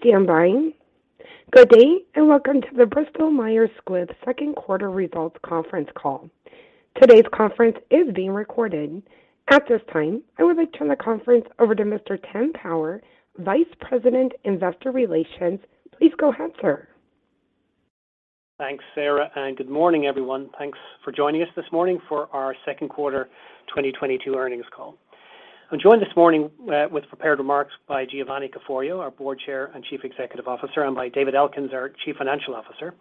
Please stand by. Good day, and welcome to the Bristol-Myers Squibb second quarter results conference call. Today's conference is being recorded. At this time, I would like to turn the conference over to Mr. Tim Power, Vice President, Investor Relations. Please go ahead, sir. Thanks, Sarah, and good morning, everyone. Thanks for joining us this morning for our second quarter 2022 earnings call. I'm joined this morning with prepared remarks by Giovanni Caforio, our Board Chair and Chief Executive Officer, and by David Elkins, our Chief Financial Officer,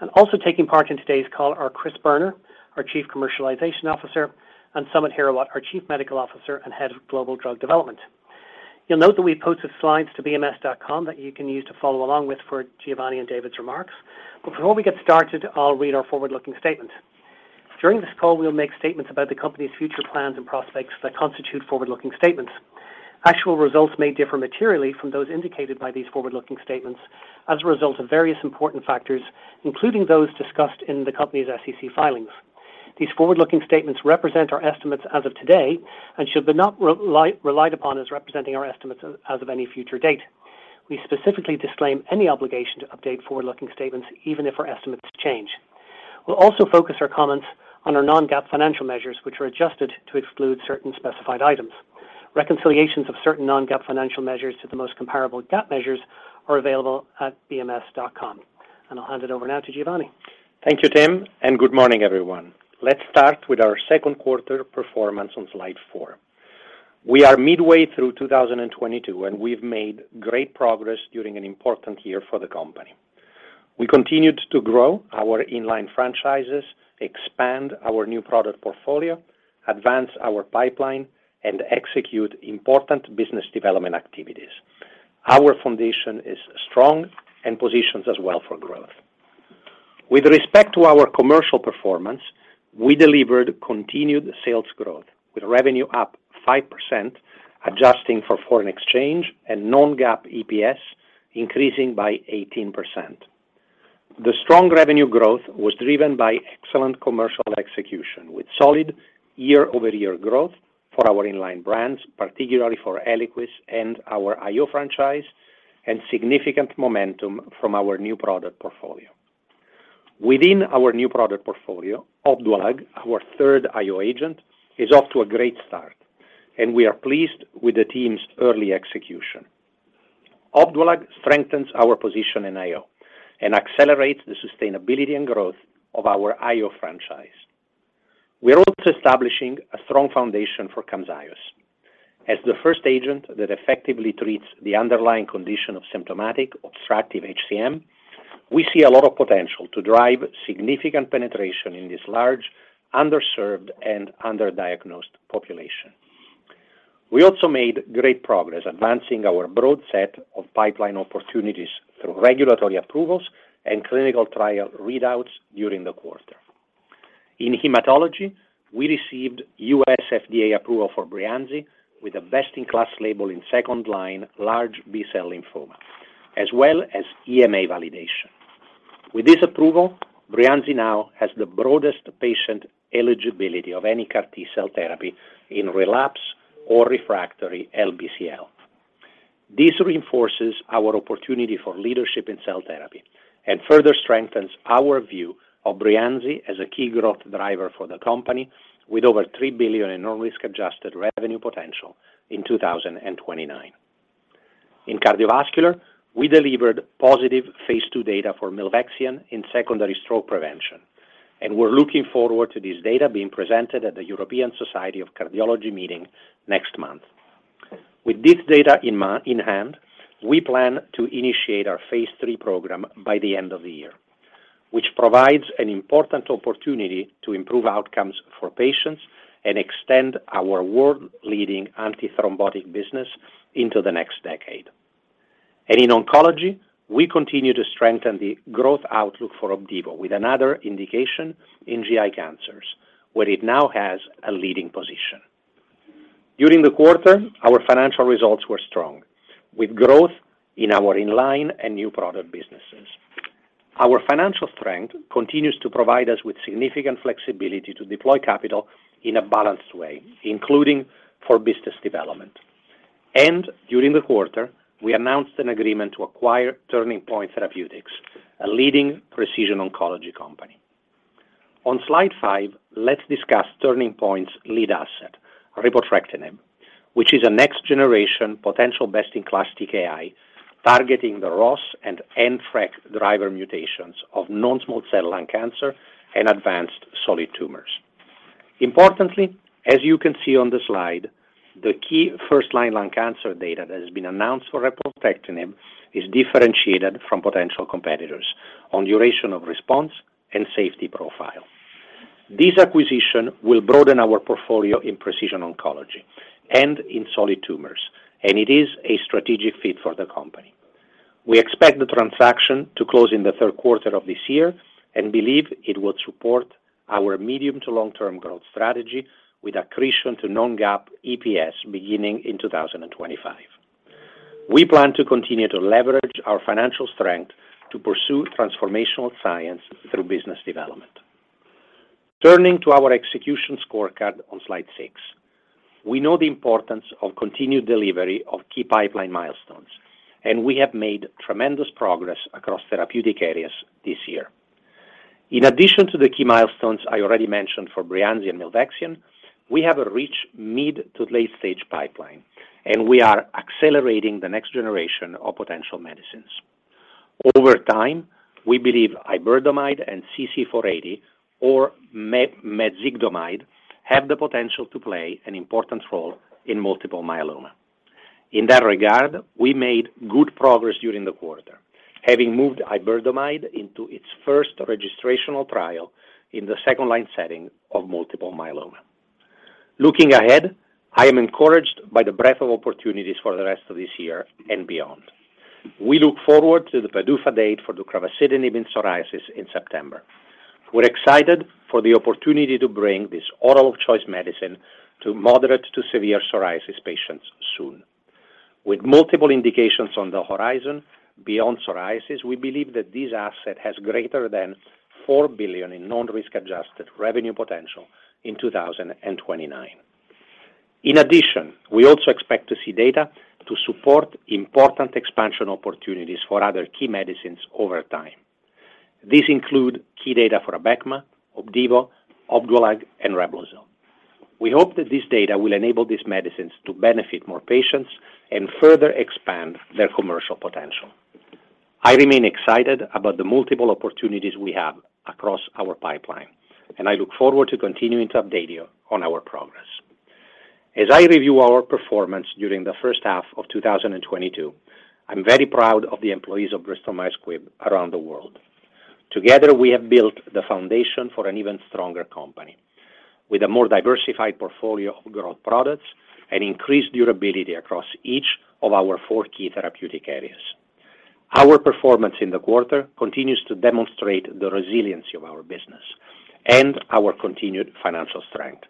and also taking part in today's call are Chris Boerner, our Chief Commercialization Officer, and Samit Hirawat, our Chief Medical Officer and Head of Global Drug Development. You'll note that we posted slides to bms.com that you can use to follow along with for Giovanni and David's remarks. Before we get started, I'll read our forward-looking statement. During this call, we'll make statements about the company's future plans and prospects that constitute forward-looking statements. Actual results may differ materially from those indicated by these forward-looking statements as a result of various important factors, including those discussed in the company's SEC filings. These forward-looking statements represent our estimates as of today, and should not be relied upon as representing our estimates as of any future date. We specifically disclaim any obligation to update forward-looking statements, even if our estimates change. We'll also focus our comments on our non-GAAP financial measures, which are adjusted to exclude certain specified items. Reconciliations of certain non-GAAP financial measures to the most comparable GAAP measures are available at bms.com. I'll hand it over now to Giovanni. Thank you, Tim, and good morning, everyone. Let's start with our second quarter performance on Slide 4. We are midway through 2022, and we've made great progress during an important year for the company. We continued to grow our in-line franchises, expand our new product portfolio, advance our pipeline, and execute important business development activities. Our foundation is strong and positions us well for growth. With respect to our commercial performance, we delivered continued sales growth, with revenue up 5%, adjusting for foreign exchange and non-GAAP EPS increasing by 18%. The strong revenue growth was driven by excellent commercial execution, with solid year-over-year growth for our in-line brands, particularly for ELIQUIS and our IO franchise, and significant momentum from our new product portfolio. Within our new product portfolio, Opdualag, our third IO agent, is off to a great start, and we are pleased with the team's early execution. Opdualag strengthens our position in IO and accelerates the sustainability and growth of our IO franchise. We're also establishing a strong foundation for Camzyos. As the first agent that effectively treats the underlying condition of symptomatic obstructive HCM, we see a lot of potential to drive significant penetration in this large, underserved, and underdiagnosed population. We also made great progress advancing our broad set of pipeline opportunities through regulatory approvals and clinical trial readouts during the quarter. In hematology, we received U.S. FDA approval for Breyanzi with a best-in-class label in second-line large B-cell lymphoma, as well as EMA validation. With this approval, Breyanzi now has the broadest patient eligibility of any CAR T-cell therapy in relapsed or refractory LBCL. This reinforces our opportunity for leadership in cell therapy and further strengthens our view of Breyanzi as a key growth driver for the company with over $3 billion in non-risk adjusted revenue potential in 2029. In cardiovascular, we delivered positive phase II data for milvexian in secondary stroke prevention, and we're looking forward to this data being presented at the European Society of Cardiology meeting next month. With this data in hand, we plan to initiate our phase III program by the end of the year, which provides an important opportunity to improve outcomes for patients and extend our world-leading antithrombotic business into the next decade. In oncology, we continue to strengthen the growth outlook for Opdivo with another indication in GI cancers, where it now has a leading position. During the quarter, our financial results were strong, with growth in our in-line and new product businesses. Our financial strength continues to provide us with significant flexibility to deploy capital in a balanced way, including for business development. During the quarter, we announced an agreement to acquire Turning Point Therapeutics, a leading precision oncology company. On Slide 5, let's discuss Turning Point's lead asset, Repotrectinib, which is a next-generation potential best-in-class TKI targeting the ROS1 and NTRK driver mutations of non-small cell lung cancer and advanced solid tumors. Importantly, as you can see on the slide, the key first-line lung cancer data that has been announced for Repotrectinib is differentiated from potential competitors on duration of response and safety profile. This acquisition will broaden our portfolio in precision oncology and in solid tumors, and it is a strategic fit for the company. We expect the transaction to close in the third quarter of this year and believe it will support our medium to long-term growth strategy with accretion to non-GAAP EPS beginning in 2025. We plan to continue to leverage our financial strength to pursue transformational science through business development. Turning to our execution scorecard on Slide 6. We know the importance of continued delivery of key pipeline milestones, and we have made tremendous progress across therapeutic areas this year. In addition to the key milestones I already mentioned for Breyanzi and Milvexian, we have a rich mid to late-stage pipeline, and we are accelerating the next generation of potential medicines. Over time, we believe Iberdomide and CC-92480, or mezigdomide, have the potential to play an important role in multiple myeloma. In that regard, we made good progress during the quarter, having moved Iberdomide into its first registrational trial in the second line setting of multiple myeloma. Looking ahead, I am encouraged by the breadth of opportunities for the rest of this year and beyond. We look forward to the PDUFA date for deucravacitinib in psoriasis in September. We're excited for the opportunity to bring this oral choice medicine to moderate to severe psoriasis patients soon. With multiple indications on the horizon beyond psoriasis, we believe that this asset has greater than $4 billion in non-risk adjusted revenue potential in 2029. In addition, we also expect to see data to support important expansion opportunities for other key medicines over time. These include key data for Abecma, Opdivo, Opdualag, and REVLIMID. We hope that this data will enable these medicines to benefit more patients and further expand their commercial potential. I remain excited about the multiple opportunities we have across our pipeline, and I look forward to continuing to update you on our progress. As I review our performance during the first half of 2022, I'm very proud of the employees of Bristol-Myers Squibb around the world. Together, we have built the foundation for an even stronger company with a more diversified portfolio of growth products and increased durability across each of our four key therapeutic areas. Our performance in the quarter continues to demonstrate the resiliency of our business and our continued financial strength.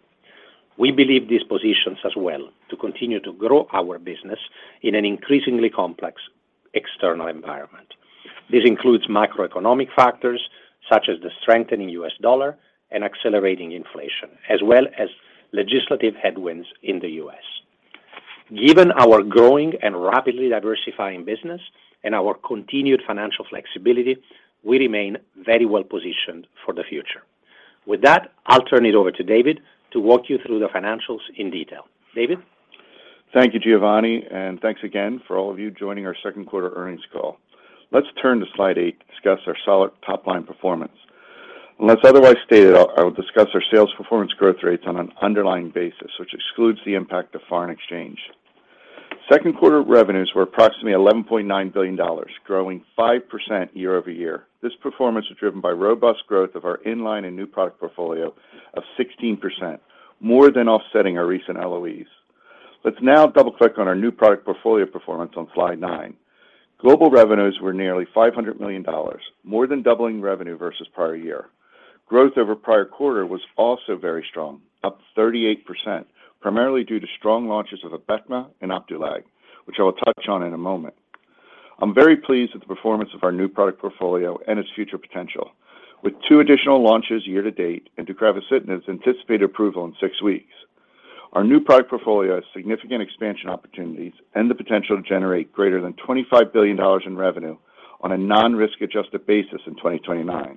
We believe this positions us well to continue to grow our business in an increasingly complex external environment. This includes macroeconomic factors such as the strengthening US dollar and accelerating inflation, as well as legislative headwinds in the U.S. Given our growing and rapidly diversifying business and our continued financial flexibility, we remain very well positioned for the future. With that, I'll turn it over to David to walk you through the financials in detail. David? Thank you, Giovanni, and thanks again for all of you joining our second quarter earnings call. Let's turn to Slide 8 to discuss our solid top-line performance. Unless otherwise stated, I'll discuss our sales performance growth rates on an underlying basis, which excludes the impact of foreign exchange. Second quarter revenues were approximately $11.9 billion, growing 5% year-over-year. This performance was driven by robust growth of our in-line and new product portfolio of 16%, more than offsetting our recent LOEs. Let's now double-click on our new product portfolio performance on Slide 9. Global revenues were nearly $500 million, more than doubling revenue versus prior year. Growth over prior quarter was also very strong, up 38%, primarily due to strong launches of Abecma and Opdualag, which I will touch on in a moment. I'm very pleased with the performance of our new product portfolio and its future potential. With two additional launches year-to-date and deucravacitinib's anticipated approval in six weeks, our new product portfolio has significant expansion opportunities and the potential to generate greater than $25 billion in revenue on a non-risk adjusted basis in 2029.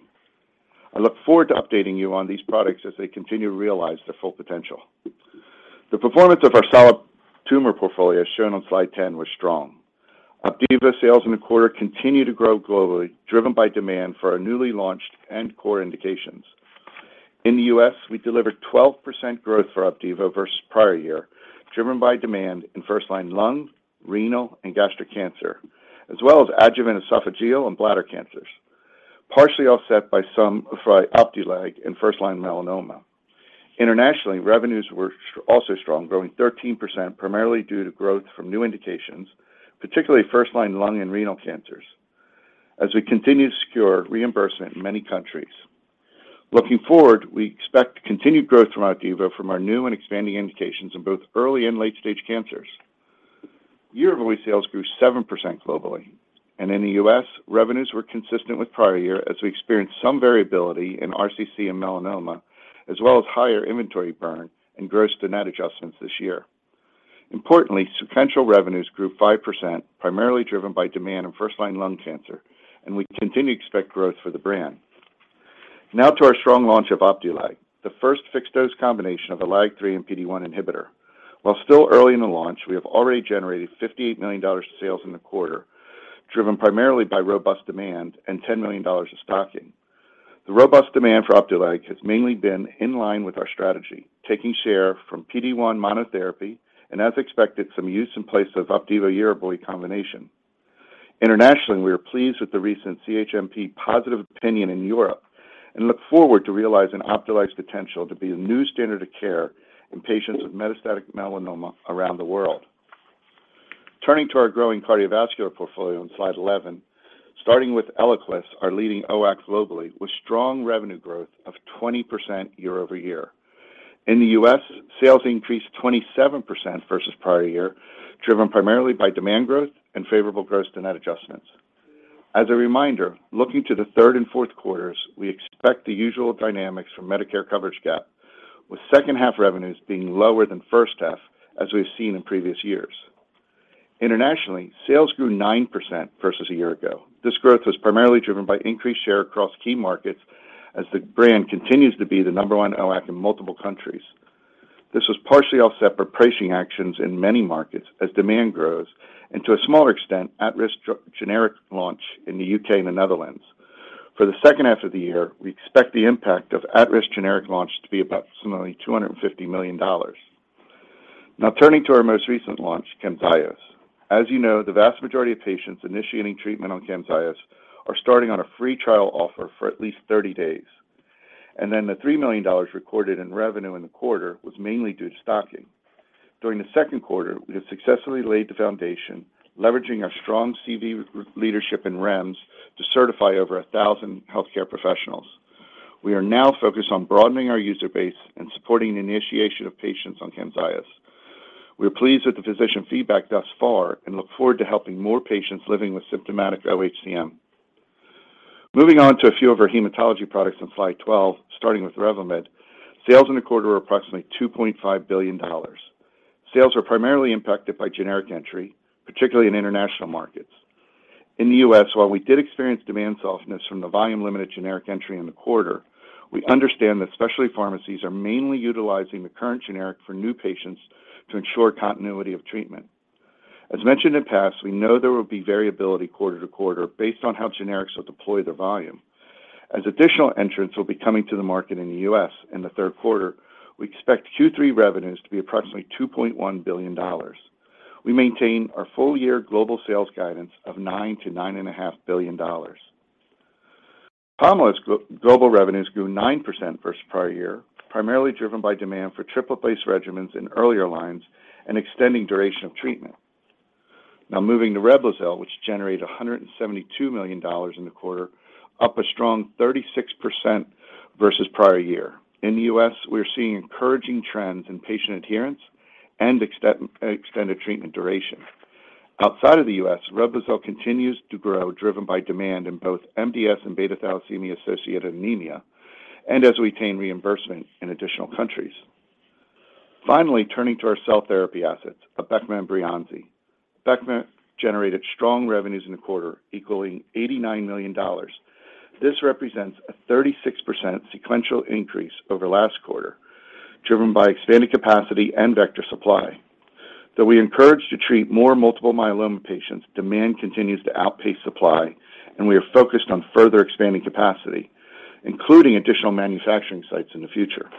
I look forward to updating you on these products as they continue to realize their full potential. The performance of our solid tumor portfolio, shown on Slide 10, was strong. Opdivo sales in the quarter continue to grow globally, driven by demand for our newly launched and core indications. In the U.S., we delivered 12% growth for Opdivo versus prior year, driven by demand in first-line lung, renal, and gastric cancer, as well as adjuvant esophageal and bladder cancers, partially offset by some for Opdualag in first-line melanoma. Internationally, revenues were also strong, growing 13% primarily due to growth from new indications, particularly first-line lung and renal cancers, as we continue to secure reimbursement in many countries. Looking forward, we expect continued growth from Opdivo from our new and expanding indications in both early and late-stage cancers. Yervoy sales grew 7% globally, and in the U.S., revenues were consistent with prior year as we experienced some variability in RCC and melanoma, as well as higher inventory burn and gross to net adjustments this year. Importantly, sequential revenues grew 5%, primarily driven by demand in first-line lung cancer, and we continue to expect growth for the brand. Now to our strong launch of Opdualag, the first fixed-dose combination of a LAG-3 and PD-1 inhibitor. While still early in the launch, we have already generated $58 million of sales in the quarter, driven primarily by robust demand and $10 million of stocking. The robust demand for Opdualag has mainly been in line with our strategy, taking share from PD-1 monotherapy and, as expected, some use in place of Opdivo plus Yervoy combination. Internationally, we are pleased with the recent CHMP positive opinion in Europe and look forward to realizing Opdualag's potential to be the new standard of care in patients with metastatic melanoma around the world. Turning to our growing cardiovascular portfolio on Slide 11, starting with ELIQUIS, our leading NOAC globally, with strong revenue growth of 20% year-over-year. In the U.S., sales increased 27% versus prior year, driven primarily by demand growth and favorable gross to net adjustments. As a reminder, looking to the third and fourth quarters, we expect the usual dynamics for Medicare coverage gap, with second half revenues being lower than first half, as we've seen in previous years. Internationally, sales grew 9% versus a year ago. This growth was primarily driven by increased share across key markets as the brand continues to be the number one NOAC in multiple countries. This was partially offset by pricing actions in many markets as demand grows and to a smaller extent, at-risk generic launch in the U.K. and the Netherlands. For the second half of the year, we expect the impact of at-risk generic launch to be approximately $250 million. Now turning to our most recent launch, Camzyos. As you know, the vast majority of patients initiating treatment on Camzyos are starting on a free trial offer for at least 30 days. The $3 million recorded in revenue in the quarter was mainly due to stocking. During the second quarter, we have successfully laid the foundation, leveraging our strong CV leadership in REMS to certify over 1,000 healthcare professionals. We are now focused on broadening our user base and supporting the initiation of patients on Camzyos. We are pleased with the physician feedback thus far and look forward to helping more patients living with symptomatic oHCM. Moving on to a few of our hematology products on Slide 12, starting with REVLIMID. Sales in the quarter were approximately $2.5 billion. Sales were primarily impacted by generic entry, particularly in international markets. In the U.S., while we did experience demand softness from the volume limited generic entry in the quarter, we understand that specialty pharmacies are mainly utilizing the current generic for new patients to ensure continuity of treatment. As mentioned in past, we know there will be variability quarter-to-quarter based on how generics will deploy their volume. As additional entrants will be coming to the market in the U.S. in the third quarter, we expect Q3 revenues to be approximately $2.1 billion. We maintain our full year global sales guidance of $9 billion-$9.5 billion. Pomalyst's global revenues grew 9% versus prior year, primarily driven by demand for triple-based regimens in earlier lines and extending duration of treatment. Now moving to Reblozyl, which generated $172 million in the quarter, up a strong 36% versus prior year. In the U.S., we're seeing encouraging trends in patient adherence and extended treatment duration. Outside of the U.S., Reblozyl continues to grow, driven by demand in both MDS and beta thalassemia-associated anemia and as we attain reimbursement in additional countries. Finally, turning to our cell therapy assets, Abecma and Breyanzi. Abecma generated strong revenues in the quarter, equaling $89 million. This represents a 36% sequential increase over last quarter, driven by expanded capacity and vector supply. Though we continue to treat more multiple myeloma patients, demand continues to outpace supply, and we are focused on further expanding capacity, including additional manufacturing sites in the future.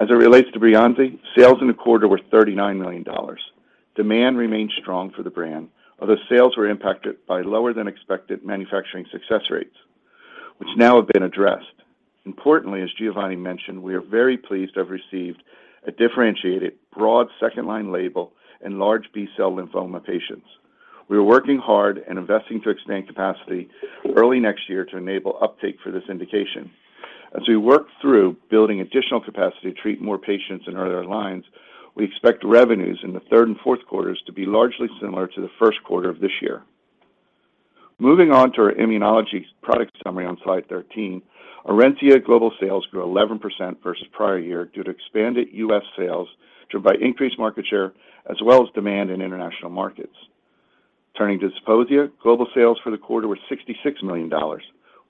As it relates to Breyanzi, sales in the quarter were $39 million. Demand remained strong for the brand, though sales were impacted by lower than expected manufacturing success rates, which now have been addressed. Importantly, as Giovanni mentioned, we are very pleased to have received a differentiated broad second-line label in large B-cell lymphoma patients. We are working hard and investing to expand capacity early next year to enable uptake for this indication. As we work through building additional capacity to treat more patients in earlier lines, we expect revenues in the third and fourth quarters to be largely similar to the first quarter of this year. Moving on to our immunology product summary on Slide 13. ORENCIA global sales grew 11% versus prior year due to expanded U.S. sales, driven by increased market share as well as demand in international markets. Turning to Zeposia, global sales for the quarter were $66 million,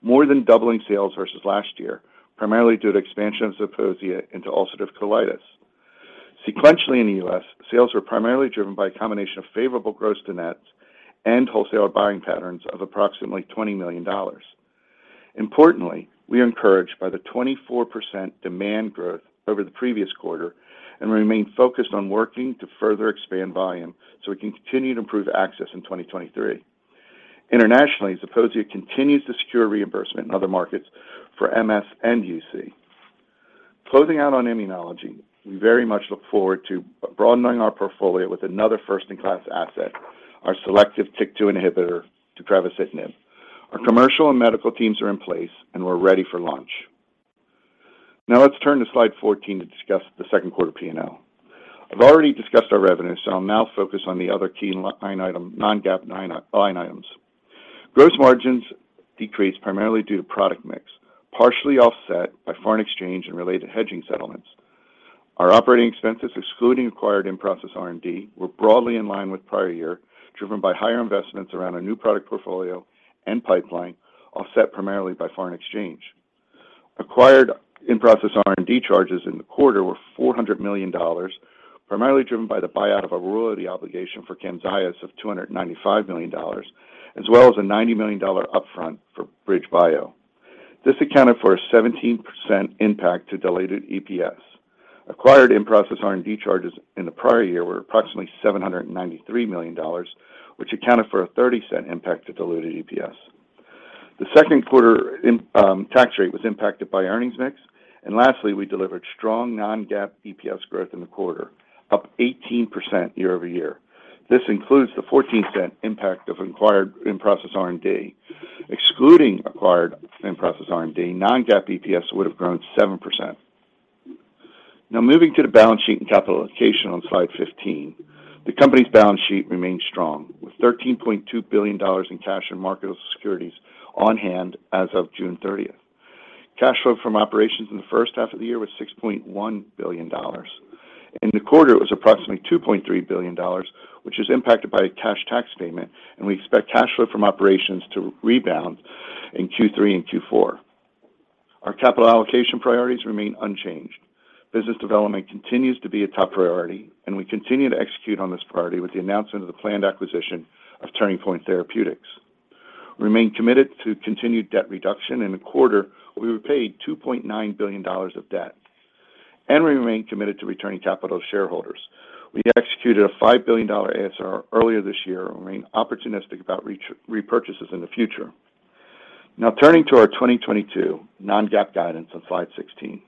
more than doubling sales versus last year, primarily due to expansion of Zeposia into ulcerative colitis. Sequentially in the U.S., sales were primarily driven by a combination of favorable gross to nets and wholesaler buying patterns of approximately $20 million. Importantly, we are encouraged by the 24% demand growth over the previous quarter and remain focused on working to further expand volume so we can continue to improve access in 2023. Internationally, Zeposia continues to secure reimbursement in other markets for MS and UC. Closing out on immunology, we very much look forward to broadening our portfolio with another first in class asset, our selective TYK2 inhibitor, deucravacitinib. Our commercial and medical teams are in place, and we're ready for launch. Now let's turn to Slide 14 to discuss the second quarter P&L. I've already discussed our revenue, so I'll now focus on the other key line item, non-GAAP line items. Gross margins decreased primarily due to product mix, partially offset by foreign exchange and related hedging settlements. Our operating expenses, excluding acquired in-process R&D, were broadly in line with prior year, driven by higher investments around our new product portfolio and pipeline, offset primarily by foreign exchange. Acquired in-process R&D charges in the quarter were $400 million, primarily driven by the buyout of a royalty obligation for Camzyos of $295 million, as well as a $90 million upfront for BridgeBio. This accounted for a 17% impact to diluted EPS. Acquired in-process R&D charges in the prior year were approximately $793 million, which accounted for a $0.30 impact to diluted EPS. The second quarter tax rate was impacted by earnings mix. Lastly, we delivered strong non-GAAP EPS growth in the quarter, up 18% year-over-year. This includes the $0.14 Impact of acquired in-process R&D. Excluding acquired in-process R&D, non-GAAP EPS would have grown 7%. Now moving to the balance sheet and capitalization on Slide 15. The company's balance sheet remains strong, with $13.2 billion in cash and marketable securities on hand as of June 30th. Cash flow from operations in the first half of the year was $6.1 billion. In the quarter, it was approximately $2.3 billion, which is impacted by a cash tax payment, and we expect cash flow from operations to rebound in Q3 and Q4. Our capital allocation priorities remain unchanged. Business development continues to be a top priority, and we continue to execute on this priority with the announcement of the planned acquisition of Turning Point Therapeutics. We remain committed to continued debt reduction. In the quarter, we repaid $2.9 billion of debt. We remain committed to returning capital to shareholders. We executed a $5 billion ASR earlier this year and remain opportunistic about repurchases in the future. Now turning to our 2022 non-GAAP guidance on Slide 16.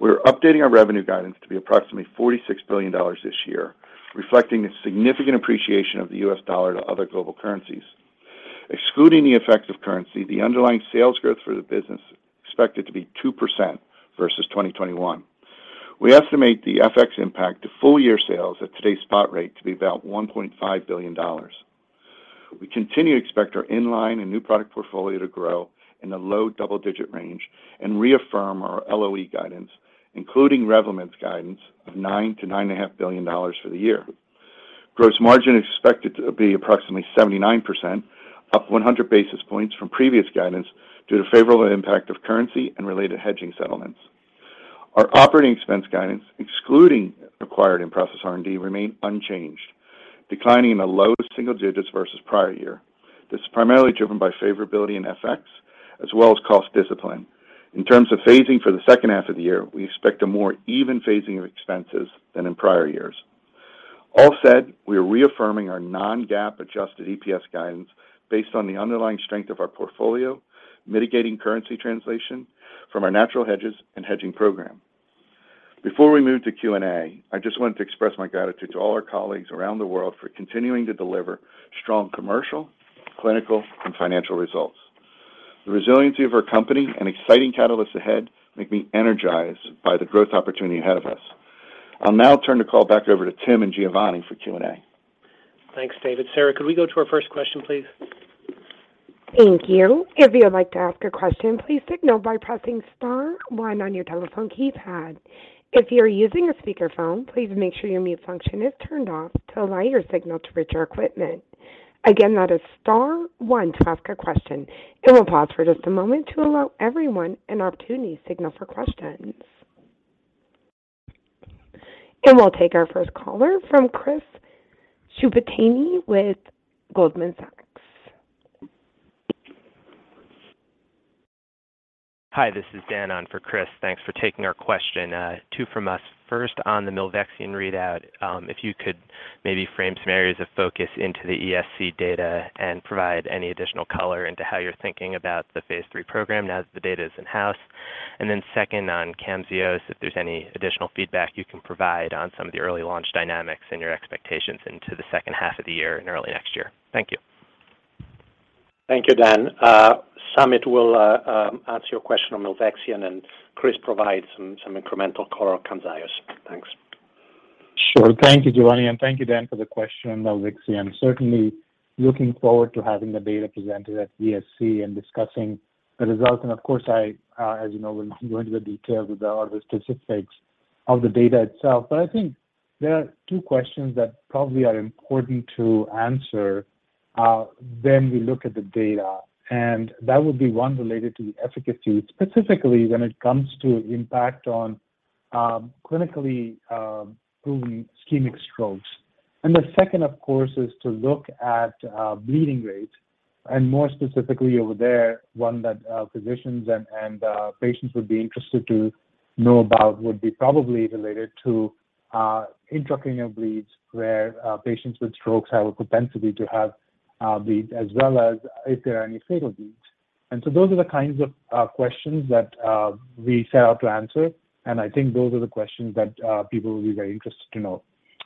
We're updating our revenue guidance to be approximately $46 billion this year, reflecting the significant appreciation of the U.S. dollar to other global currencies. Excluding the effects of currency, the underlying sales growth for the business expected to be 2% versus 2021. We estimate the FX impact to full-year sales at today's spot rate to be about $1.5 billion. We continue to expect our in-line and new product portfolio to grow in the low double-digit range and reaffirm our LOE guidance, including REVLIMID's guidance of $9 billion-$9.5 billion for the year. Gross margin is expected to be approximately 79%, up 100 basis points from previous guidance due to favorable impact of currency and related hedging settlements. Our operating expense guidance, excluding acquired in-process R&D, remain unchanged, declining in the low single digits versus prior year. This is primarily driven by favorability in FX as well as cost discipline. In terms of phasing for the second half of the year, we expect a more even phasing of expenses than in prior years. All said, we are reaffirming our non-GAAP adjusted EPS guidance based on the underlying strength of our portfolio, mitigating currency translation from our natural hedges and hedging program. Before we move to Q&A, I just wanted to express my gratitude to all our colleagues around the world for continuing to deliver strong commercial, clinical, and financial results. The resiliency of our company and exciting catalysts ahead make me energized by the growth opportunity ahead of us. I'll now turn the call back over to Tim and Giovanni for Q&A. Thanks, David. Sarah, could we go to our first question, please? Thank you. If you would like to ask a question, please signal by pressing star one on your telephone keypad. If you're using a speakerphone, please make sure your mute function is turned off to allow your signal to reach our equipment. Again, that is star one to ask a question. We'll pause for just a moment to allow everyone an opportunity to signal for questions. We'll take our first caller from Chris Schott with Goldman Sachs. Hi, this is Dan on for Chris. Thanks for taking our question. Two from us. First, on the Milvexian readout, if you could maybe frame some areas of focus into the ESC data and provide any additional color into how you're thinking about the phase III program now that the data is in-house. Second, on Camzyos, if there's any additional feedback you can provide on some of the early launch dynamics and your expectations into the second half of the year and early next year. Thank you. Thank you, Dan. Samit will answer your question on Milvexian, and Chris provide some incremental color on Camzyos. Thanks. Sure. Thank you, Giovanni, and thank you, Dan, for the question on Milvexian. Certainly looking forward to having the data presented at ESC and discussing the results. Of course, I, as you know, will go into the details about the specifics of the data itself. I think there are two questions that probably are important to answer, when we look at the data, and that would be one related to the efficacy, specifically when it comes to impact on, clinically proven ischemic strokes. The second, of course, is to look at bleeding rates, and more specifically over there, one that, physicians and patients would be interested to know about would be probably related to, intracranial bleeds, where, patients with strokes have a propensity to have, bleeds, as well as if there are any fatal bleeds. Those are the kinds of questions that we set out to answer, and I think those are the questions that people will be very interested to know.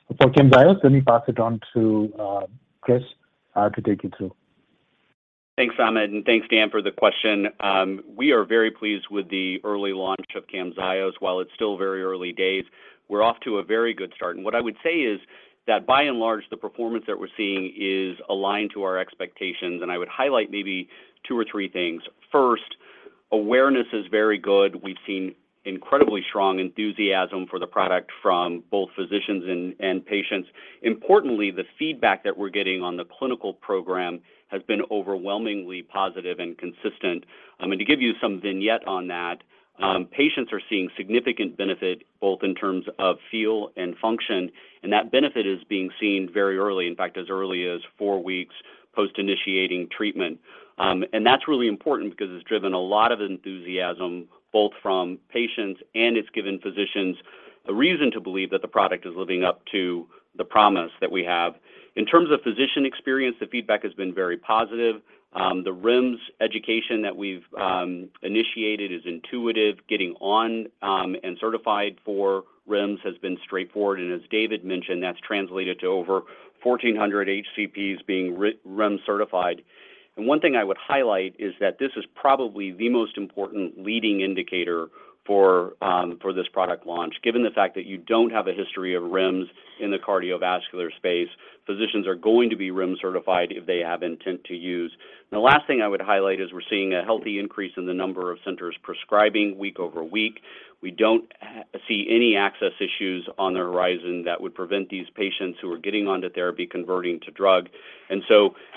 For Camzyos, let me pass it on to Chris to take you through. Thanks, Samit, and thanks, Dan, for the question. We are very pleased with the early launch of Camzyos. While it's still very early days, we're off to a very good start. What I would say is that by and large, the performance that we're seeing is aligned to our expectations, and I would highlight maybe two or three things. First, awareness is very good. We've seen incredibly strong enthusiasm for the product from both physicians and patients. Importantly, the feedback that we're getting on the clinical program has been overwhelmingly positive and consistent. I mean, to give you some vignette on that, patients are seeing significant benefit, both in terms of feel and function, and that benefit is being seen very early, in fact, as early as four weeks post-initiating treatment. That's really important because it's driven a lot of enthusiasm both from patients and it's given physicians. The reason to believe that the product is living up to the promise that we have. In terms of physician experience, the feedback has been very positive. The REMS education that we've initiated is intuitive. Getting onboard and certified for REMS has been straightforward, and as David mentioned, that's translated to over 1,400 HCPs being REMS certified. One thing I would highlight is that this is probably the most important leading indicator for this product launch. Given the fact that you don't have a history of REMS in the cardiovascular space, physicians are going to be REMS certified if they have intent to use. The last thing I would highlight is we're seeing a healthy increase in the number of centers prescribing week-over-week. We don't see any access issues on the horizon that would prevent these patients who are getting onto therapy converting to drug. If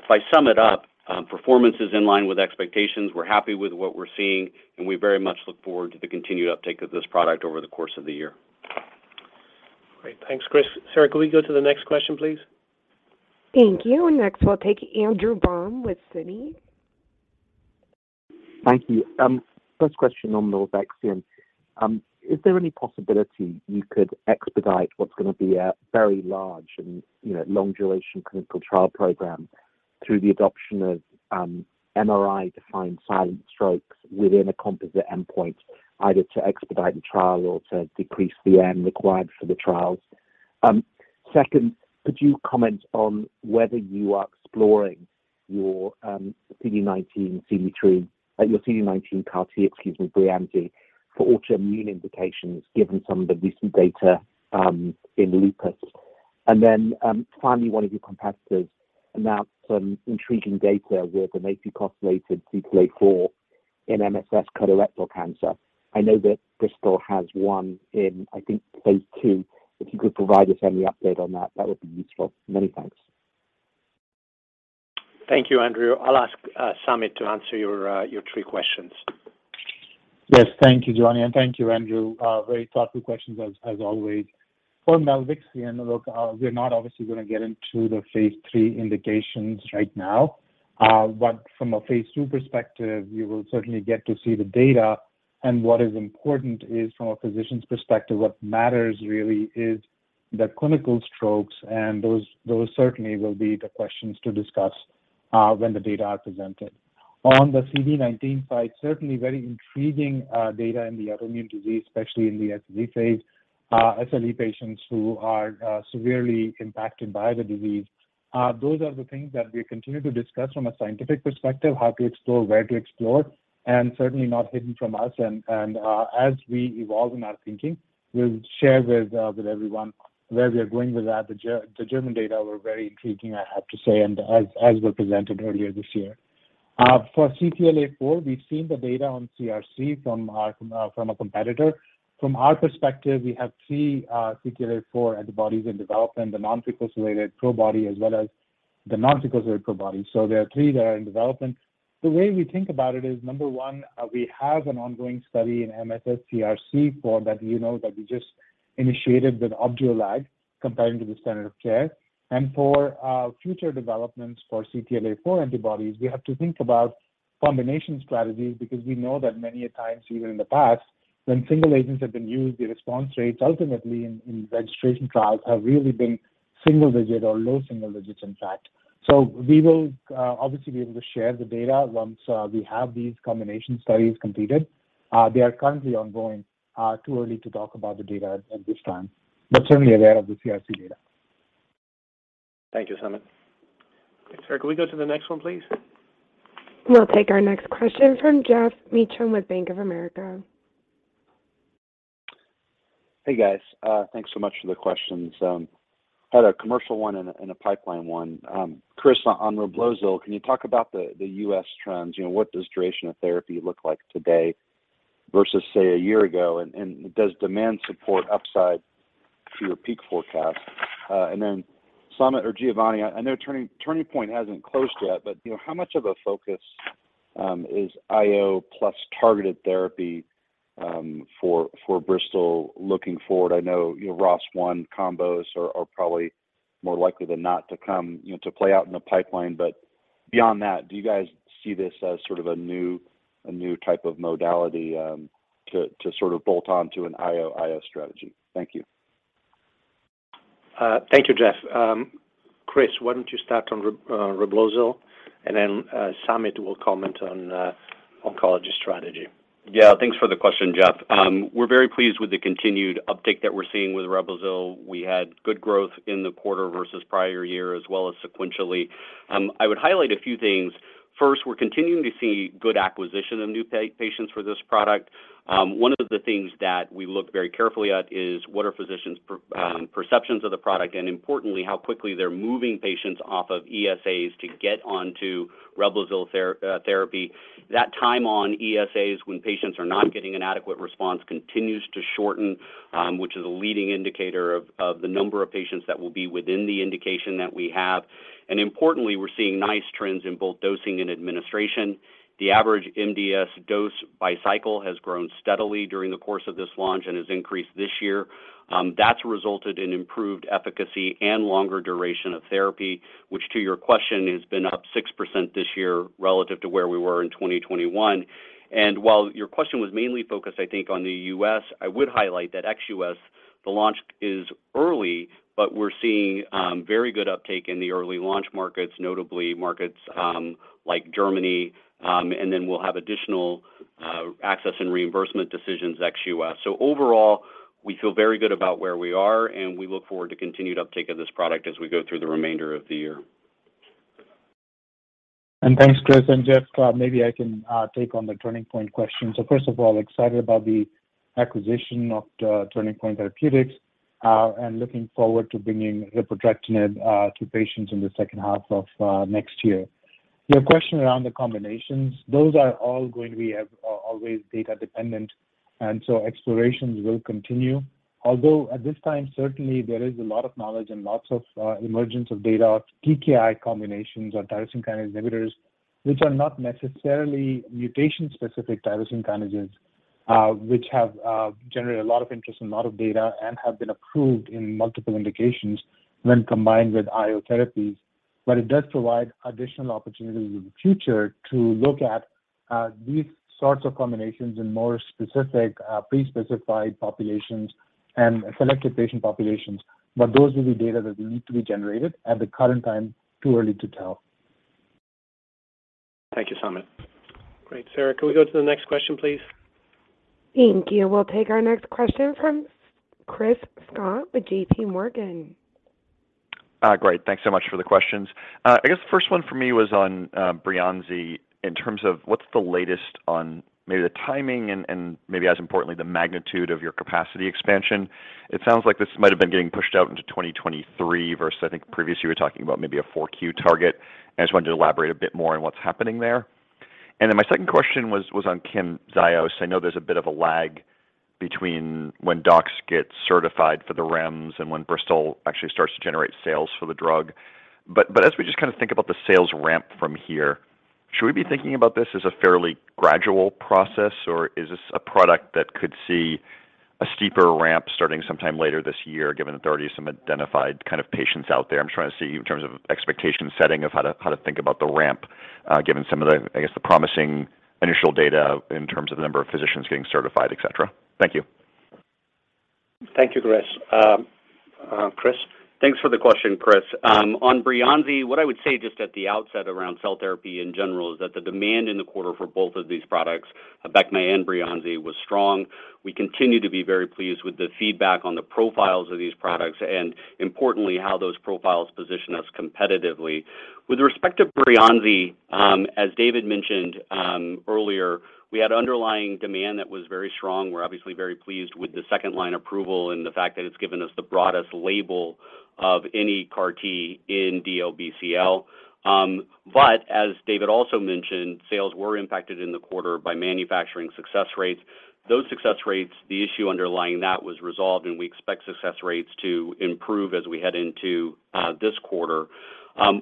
I sum it up, performance is in line with expectations. We're happy with what we're seeing, and we very much look forward to the continued uptake of this product over the course of the year. Great. Thanks, Chris. Sarah, can we go to the next question, please? Thank you. Next, we'll take Andrew Baum with Citi. Thank you. First question on Milvexian. Is there any possibility you could expedite what's gonna be a very large and, you know, long-duration clinical trial program through the adoption of, MRI-defined silent strokes within a composite endpoint, either to expedite the trial or to decrease the N required for the trials? Second, could you comment on whether you are exploring your, CD19 CAR T, excuse me, Breyanzi, for autoimmune indications, given some of the recent data, in lupus? Finally, one of your competitors announced some intriguing data with an Fc-engineered CTLA-4 in MSS colorectal cancer. I know that Bristol has one in, I think, phase II. If you could provide us any update on that would be useful. Many thanks. Thank you, Andrew. I'll ask Samit to answer your three questions. Yes. Thank you, Giovanni, and thank you, Andrew. Very thoughtful questions as always. For Milvexian, look, we're not obviously gonna get into the phase III indications right now. But from a phase II perspective, you will certainly get to see the data. What is important is from a physician's perspective, what matters really is the clinical strokes, and those certainly will be the questions to discuss when the data are presented. On the CD19 side, certainly very intriguing data in the autoimmune disease, especially in the severe phase, SLE patients who are severely impacted by the disease. Those are the things that we continue to discuss from a scientific perspective, how to explore, where to explore, and certainly not hidden from us. As we evolve in our thinking, we'll share with everyone where we are going with that. The German data were very intriguing, I have to say, and as we presented earlier this year. For CTLA-4, we've seen the data on CRC from a competitor. From our perspective, we have three CTLA-4 antibodies in development, the non-fucosylated Probody as well as the non-fucosylated Probody. So there are three that are in development. The way we think about it is, number one, we have an ongoing study in MSS CRC for that you know, that we just initiated with Opdualag comparing to the standard of care. For future developments for CTLA-4 antibodies, we have to think about combination strategies because we know that many a times, even in the past, when single agents have been used, the response rates ultimately in registration trials have really been single digit or low single digits, in fact. We will obviously be able to share the data once we have these combination studies completed. They are currently ongoing. Too early to talk about the data at this time, but certainly aware of the CRC data. Thank you, Samit. Sarah, can we go to the next one, please? We'll take our next question from Geoff Meacham with Bank of America. Hey, guys. Thanks so much for the questions. Had a commercial one and a pipeline one. Chris, on Reblozyl, can you talk about the U.S. trends? You know, what does duration of therapy look like today versus, say, a year ago? And does demand support upside to your peak forecast? And then Samit or Giovanni, I know Turning Point hasn't closed yet, but you know, how much of a focus is IO plus targeted therapy for Bristol looking forward? I know, you know, ROS1 combos are probably more likely than not to come, you know, to play out in the pipeline. But beyond that, do you guys see this as sort of a new type of modality to sort of bolt on to an IO strategy? Thank you. Thank you, Geoff. Chris, why don't you start on Reblozyl, and then Samit will comment on oncology strategy. Yeah. Thanks for the question, Geoff. We're very pleased with the continued uptick that we're seeing with Reblozyl. We had good growth in the quarter versus prior year as well as sequentially. I would highlight a few things. First, we're continuing to see good acquisition of new patients for this product. One of the things that we look very carefully at is what are physicians' perceptions of the product, and importantly, how quickly they're moving patients off of ESAs to get onto Reblozyl therapy. That time on ESAs when patients are not getting an adequate response continues to shorten, which is a leading indicator of the number of patients that will be within the indication that we have. Importantly, we're seeing nice trends in both dosing and administration. The average MDS dose by cycle has grown steadily during the course of this launch and has increased this year. That's resulted in improved efficacy and longer duration of therapy, which to your question, has been up 6% this year relative to where we were in 2021. While your question was mainly focused, I think, on the U.S., I would highlight that ex-U.S. the launch is early, but we're seeing very good uptake in the early launch markets, notably markets like Germany. We'll have additional access and reimbursement decisions ex-U.S. Overall, we feel very good about where we are, and we look forward to continued uptake of this product as we go through the remainder of the year. Thanks, Chris and Geoff. Maybe I can take on the Turning Point question. First of all, excited about the acquisition of the Turning Point Therapeutics, and looking forward to bringing Repotrectinib to patients in the second half of next year. Your question around the combinations, those are all going to be always data dependent, and so explorations will continue. Although at this time, certainly there is a lot of knowledge and lots of emergence of data, TKI combinations or tyrosine kinase inhibitors, which are not necessarily mutation-specific tyrosine kinases, which have generated a lot of interest and a lot of data and have been approved in multiple indications when combined with IO therapies. It does provide additional opportunities in the future to look at these sorts of combinations in more specific pre-specified populations and selected patient populations. Those are the data that need to be generated. At the current time, too early to tell. Thank you, Samit. Great. Sarah, can we go to the next question, please? Thank you. We'll take our next question from Chris Schott with JPMorgan. Great. Thanks so much for the questions. I guess the first one for me was on Breyanzi in terms of what's the latest on maybe the timing and maybe as importantly, the magnitude of your capacity expansion. It sounds like this might have been getting pushed out into 2023 versus I think previously you were talking about maybe a 4Q target. I just wanted to elaborate a bit more on what's happening there. My second question was on Camzyos. I know there's a bit of a lag between when docs get certified for the REMS and when Bristol actually starts to generate sales for the drug. As we just kind of think about the sales ramp from here, should we be thinking about this as a fairly gradual process, or is this a product that could see a steeper ramp starting sometime later this year, given that there are already some identified kind of patients out there? I'm trying to see in terms of expectation setting of how to think about the ramp, given some of the, I guess, the promising initial data in terms of the number of physicians getting certified, et cetera. Thank you. Thank you, Chris. Chris. Thanks for the question, Chris. On Breyanzi, what I would say just at the outset around cell therapy in general is that the demand in the quarter for both of these products, Abecma and Breyanzi, was strong. We continue to be very pleased with the feedback on the profiles of these products and importantly, how those profiles position us competitively. With respect to Breyanzi, as David mentioned earlier, we had underlying demand that was very strong. We're obviously very pleased with the second line approval and the fact that it's given us the broadest label of any CAR T in DLBCL. But as David also mentioned, sales were impacted in the quarter by manufacturing success rates. Those success rates, the issue underlying that was resolved, and we expect success rates to improve as we head into this quarter.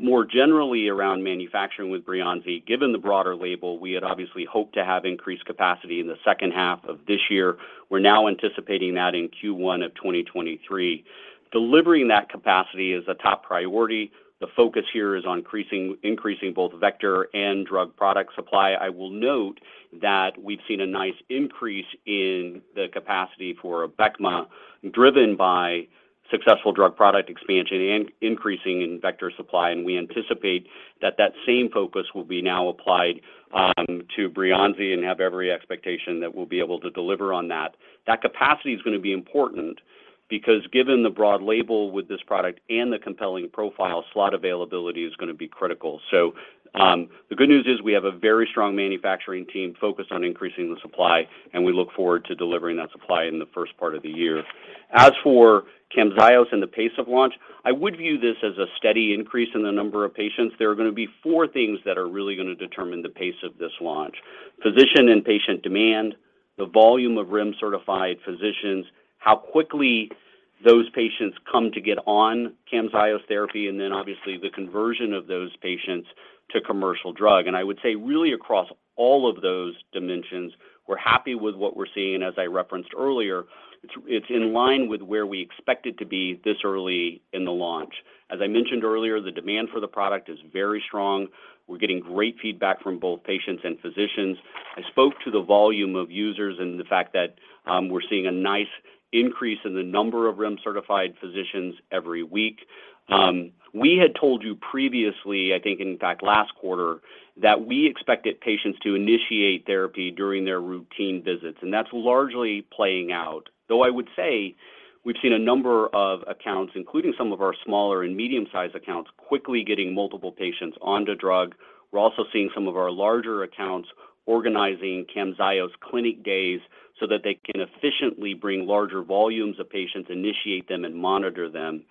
More generally around manufacturing with Breyanzi, given the broader label, we had obviously hoped to have increased capacity in the second half of this year. We're now anticipating that in Q1 of 2023. Delivering that capacity is a top priority. The focus here is on increasing both vector and drug product supply. I will note that we've seen a nice increase in the capacity for Abecma, driven by successful drug product expansion and increase in vector supply, and we anticipate that same focus will be now applied to Breyanzi and have every expectation that we'll be able to deliver on that. That capacity is gonna be important because given the broad label with this product and the compelling profile, slot availability is gonna be critical. The good news is we have a very strong manufacturing team focused on increasing the supply, and we look forward to delivering that supply in the first part of the year. As for Camzyos and the pace of launch, I would view this as a steady increase in the number of patients. There are gonna be four things that are really gonna determine the pace of this launch, physician and patient demand, the volume of REMS-certified physicians, how quickly those patients come to get on Camzyos therapy, and then obviously the conversion of those patients to commercial drug. I would say really across all of those dimensions, we're happy with what we're seeing. As I referenced earlier, it's in line with where we expect it to be this early in the launch. As I mentioned earlier, the demand for the product is very strong. We're getting great feedback from both patients and physicians. I spoke to the volume of users and the fact that, we're seeing a nice increase in the number of REMS-certified physicians every week. We had told you previously, I think in fact last quarter, that we expected patients to initiate therapy during their routine visits, and that's largely playing out. Though I would say we've seen a number of accounts, including some of our smaller and medium-sized accounts, quickly getting multiple patients onto drug. We're also seeing some of our larger accounts organizing Camzyos clinic days so that they can efficiently bring larger volumes of patients, initiate them, and monitor them.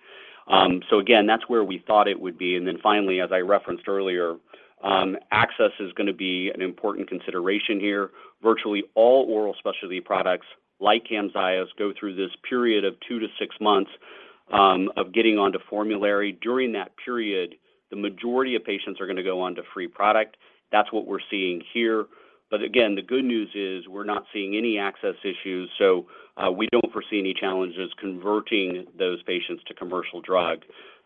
Again, that's where we thought it would be. Finally, as I referenced earlier, access is gonna be an important consideration here. Virtually all oral specialty products like Camzyos go through this period of two-six months of getting onto formulary. During that period, the majority of patients are gonna go onto free product. That's what we're seeing here. Again, the good news is we're not seeing any access issues, so we don't foresee any challenges converting those patients to commercial drug.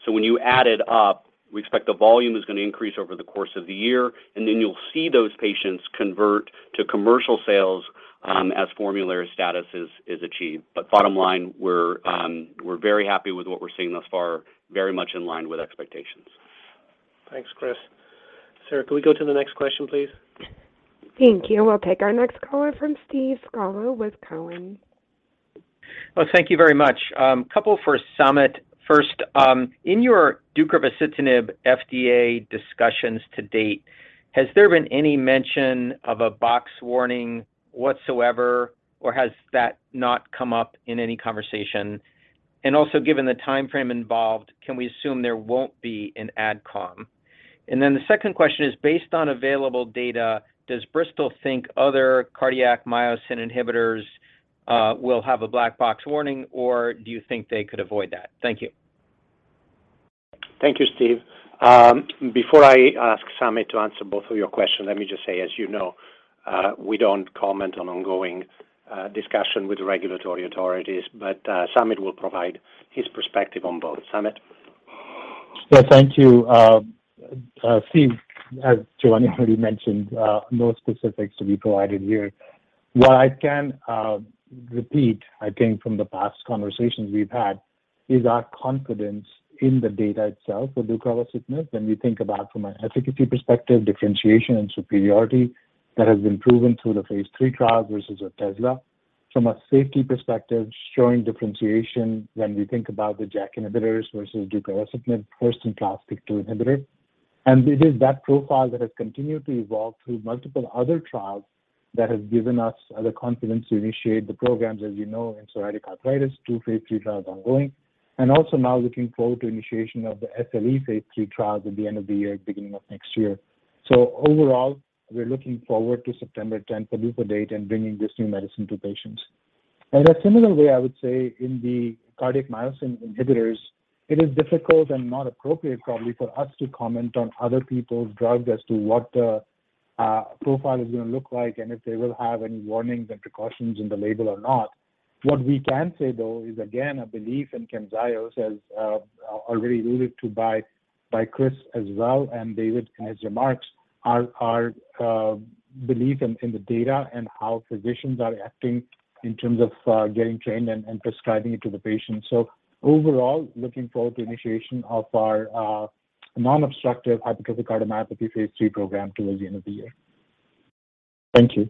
When you add it up, we expect the volume is going to increase over the course of the year, and then you'll see those patients convert to commercial sales as formulary status is achieved. Bottom line, we're very happy with what we're seeing thus far, very much in line with expectations. Thanks, Chris. Sarah, can we go to the next question, please? Thank you. We'll take our next caller from Steve Scala with Cowen. Well, thank you very much. Couple for Samit. First, in your deucravacitinib FDA discussions-to-date, has there been any mention of a black box warning whatsoever, or has that not come up in any conversation? Given the timeframe involved, can we assume there won't be an ad com? The second question is, based on available data, does Bristol think other cardiac myosin inhibitors will have a black box warning, or do you think they could avoid that? Thank you. Thank you, Steve. Before I ask Samit to answer both of your questions, let me just say, as you know, we don't comment on ongoing discussion with the regulatory authorities. Samit will provide his perspective on both. Samit. Yeah, thank you, Steve. As Giovanni already mentioned, no specifics to be provided here. What I can repeat, I think, from the past conversations we've had is our confidence in the data itself for deucravacitinib when we think about from an efficacy perspective, differentiation and superiority that has been proven through the phase III trial versus Otezla. From a safety perspective, showing differentiation when we think about the JAK inhibitors versus deucravacitinib, first-in-class TYK2 inhibitor. It is that profile that has continued to evolve through multiple other trials that has given us the confidence to initiate the programs, as you know, in psoriatic arthritis, two phase III trials ongoing. Also now looking forward to initiation of the SLE phase III trials at the end of the year, beginning of next year. Overall, we're looking forward to September tenth PDUFA date and bringing this new medicine to patients. In a similar way, I would say in the cardiac myosin inhibitors, it is difficult and not appropriate probably for us to comment on other people's drugs as to what the profile is going to look like and if they will have any warnings and precautions in the label or not. What we can say, though, is again, a belief in Camzyos, as already alluded to by Chris as well and David in his remarks. Our belief in the data and how physicians are acting in terms of getting trained and prescribing it to the patient. Overall, looking forward to initiation of our non-obstructive hypertrophic cardiomyopathy phase III program towards the end of the year. Thank you.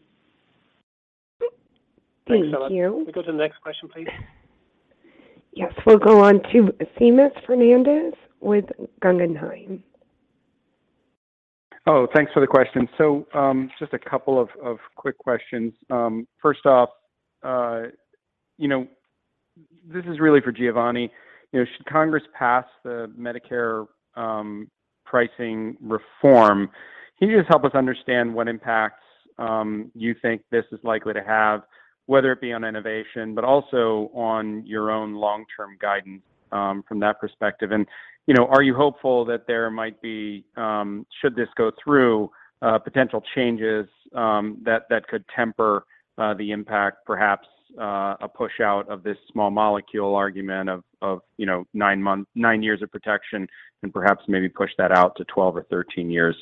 Thank you. Excellent. Can we go to the next question, please? Yes. We'll go on to Seamus Fernandez with Guggenheim. Oh, thanks for the question. Just a couple of quick questions. First off, you know, this is really for Giovanni. You know, should Congress pass the Medicare pricing reform, can you just help us understand what impacts you think this is likely to have, whether it be on innovation, but also on your own long-term guidance from that perspective? You know, are you hopeful that there might be should this go through potential changes that could temper the impact, perhaps a push out of this small molecule argument of you know nine years of protection and perhaps maybe push that out to 12 or 13 years?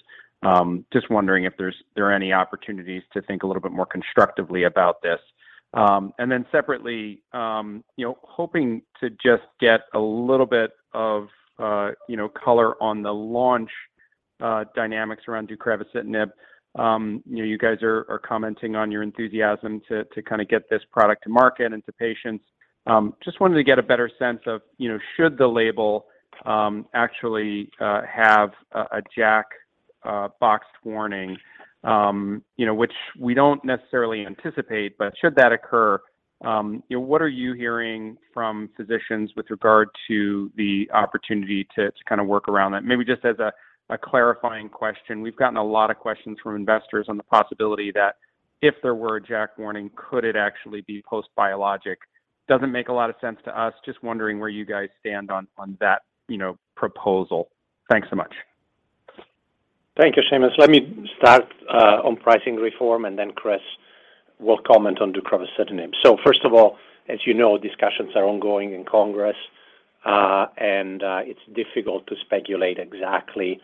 Just wondering if there are any opportunities to think a little bit more constructively about this. Separately, you know, hoping to just get a little bit of, you know, color on the launch dynamics around deucravacitinib. You know, you guys are commenting on your enthusiasm to kind of get this product to market and to patients. Just wanted to get a better sense of, you know, should the label actually have a JAK boxed warning, you know, which we don't necessarily anticipate, but should that occur, you know, what are you hearing from physicians with regard to the opportunity to kind of work around that? Maybe just as a clarifying question. We've gotten a lot of questions from investors on the possibility that if there were a JAK warning, could it actually be post biologic? Doesn't make a lot of sense to us. Just wondering where you guys stand on that, you know, proposal. Thanks so much. Thank you, Seamus. Let me start on pricing reform, and then Chris will comment on deucravacitinib. First of all, as you know, discussions are ongoing in Congress, and it's difficult to speculate exactly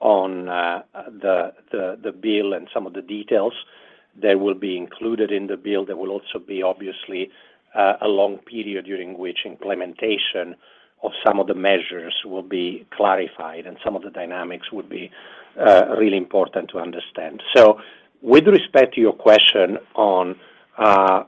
on the bill and some of the details that will be included in the bill. There will also be obviously a long period during which implementation of some of the measures will be clarified, and some of the dynamics would be really important to understand. With respect to your question on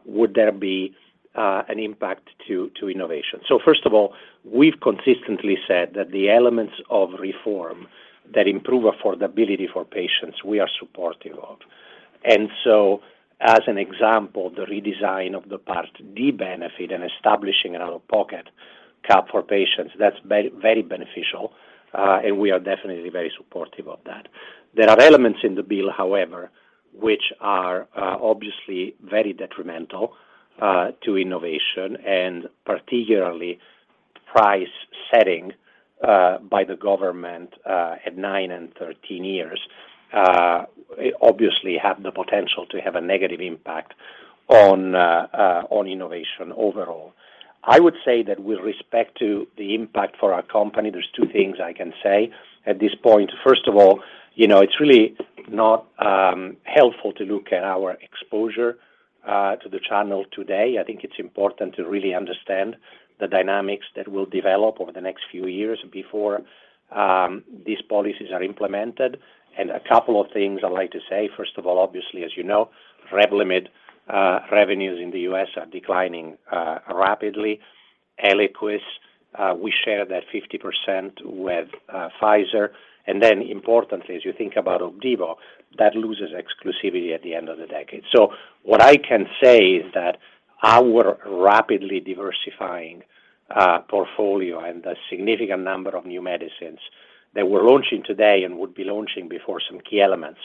would there be an impact to innovation. First of all, we've consistently said that the elements of reform that improve affordability for patients, we are supportive of. As an example, the redesign of the Part D benefit and establishing an out-of-pocket cap for patients, that's very beneficial, and we are definitely very supportive of that. There are elements in the bill, however, which are obviously very detrimental to innovation, and particularly price setting by the government at nine and 13 years, obviously have the potential to have a negative impact on innovation overall. I would say that with respect to the impact for our company, there's two things I can say at this point. First of all, you know, it's really not helpful to look at our exposure to the channel today. I think it's important to really understand the dynamics that will develop over the next few years before these policies are implemented. A couple of things I'd like to say. First of all, obviously, as you know, REVLIMID revenues in the U.S. are declining rapidly. ELIQUIS, we share that 50% with Pfizer. Importantly, as you think about Otezla, that loses exclusivity at the end of the decade. What I can say is that our rapidly diversifying portfolio and the significant number of new medicines that we're launching today and would be launching before some key elements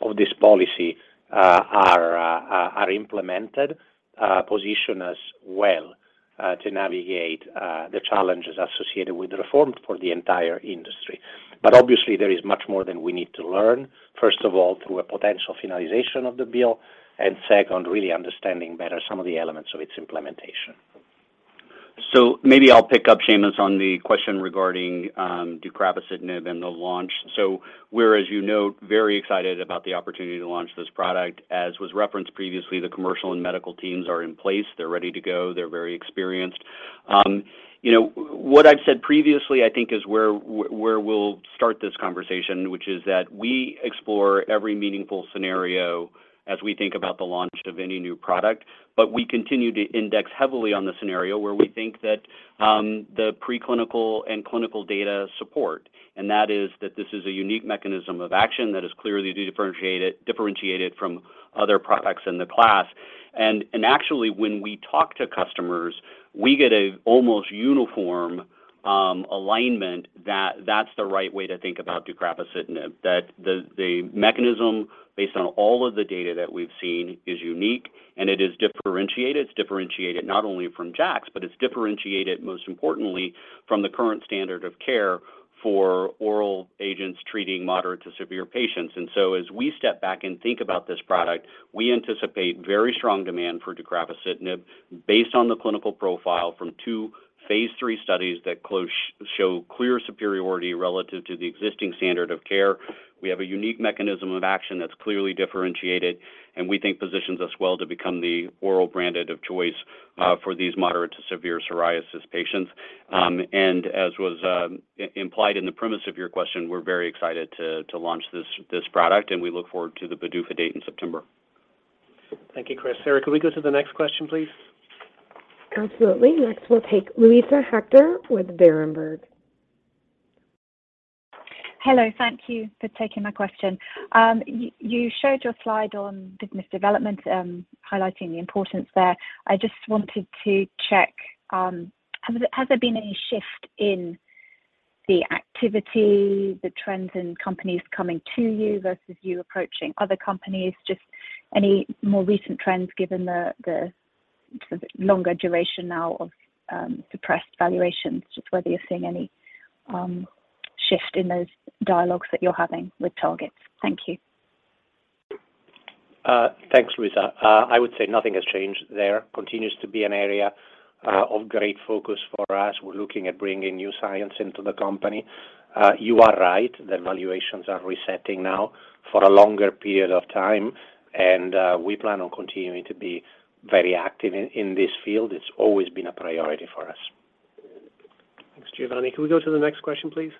of this policy are implemented position us well to navigate the challenges associated with reform for the entire industry. Obviously there is much more that we need to learn, first of all, through a potential finalization of the bill, and second, really understanding better some of the elements of its implementation. Maybe I'll pick up, Seamus, on the question regarding deucravacitinib and the launch. We're, as you know, very excited about the opportunity to launch this product. As was referenced previously, the commercial and medical teams are in place. They're ready to go. They're very experienced. You know, what I've said previously, I think is where we'll start this conversation, which is that we explore every meaningful scenario as we think about the launch of any new product. We continue to index heavily on the scenario where we think that the preclinical and clinical data support, and that is that this is a unique mechanism of action that is clearly differentiated from other products in the class. Actually, when we talk to customers, we get an almost uniform alignment that that's the right way to think about deucravacitinib, that the mechanism based on all of the data that we've seen is unique, and it is differentiated. It's differentiated not only from JAKs, but it's differentiated, most importantly, from the current standard of care for oral agents treating moderate to severe patients. As we step back and think about this product, we anticipate very strong demand for deucravacitinib based on the clinical profile from two phase III studies that show clear superiority relative to the existing standard of care. We have a unique mechanism of action that's clearly differentiated, and we think positions us well to become the oral brand of choice for these moderate to severe psoriasis patients. As was implied in the premise of your question, we're very excited to launch this product, and we look forward to the PDUFA date in September. Thank you, Chris. Sarah, could we go to the next question, please? Absolutely. Next, we'll take Luisa Hector with Berenberg. Hello. Thank you for taking my question. You showed your slide on business development, highlighting the importance there. I just wanted to check, has there been any shift in the activity, the trends in companies coming to you versus you approaching other companies? Just any more recent trends given the longer duration now of suppressed valuations, just whether you're seeing any shift in those dialogues that you're having with targets. Thank you. Thanks, Luisa. I would say nothing has changed there. Continues to be an area of great focus for us. We're looking at bringing new science into the company. You are right, the valuations are resetting now for a longer period of time. We plan on continuing to be very active in this field. It's always been a priority for us. Thanks, Giovanni. Can we go to the next question, please?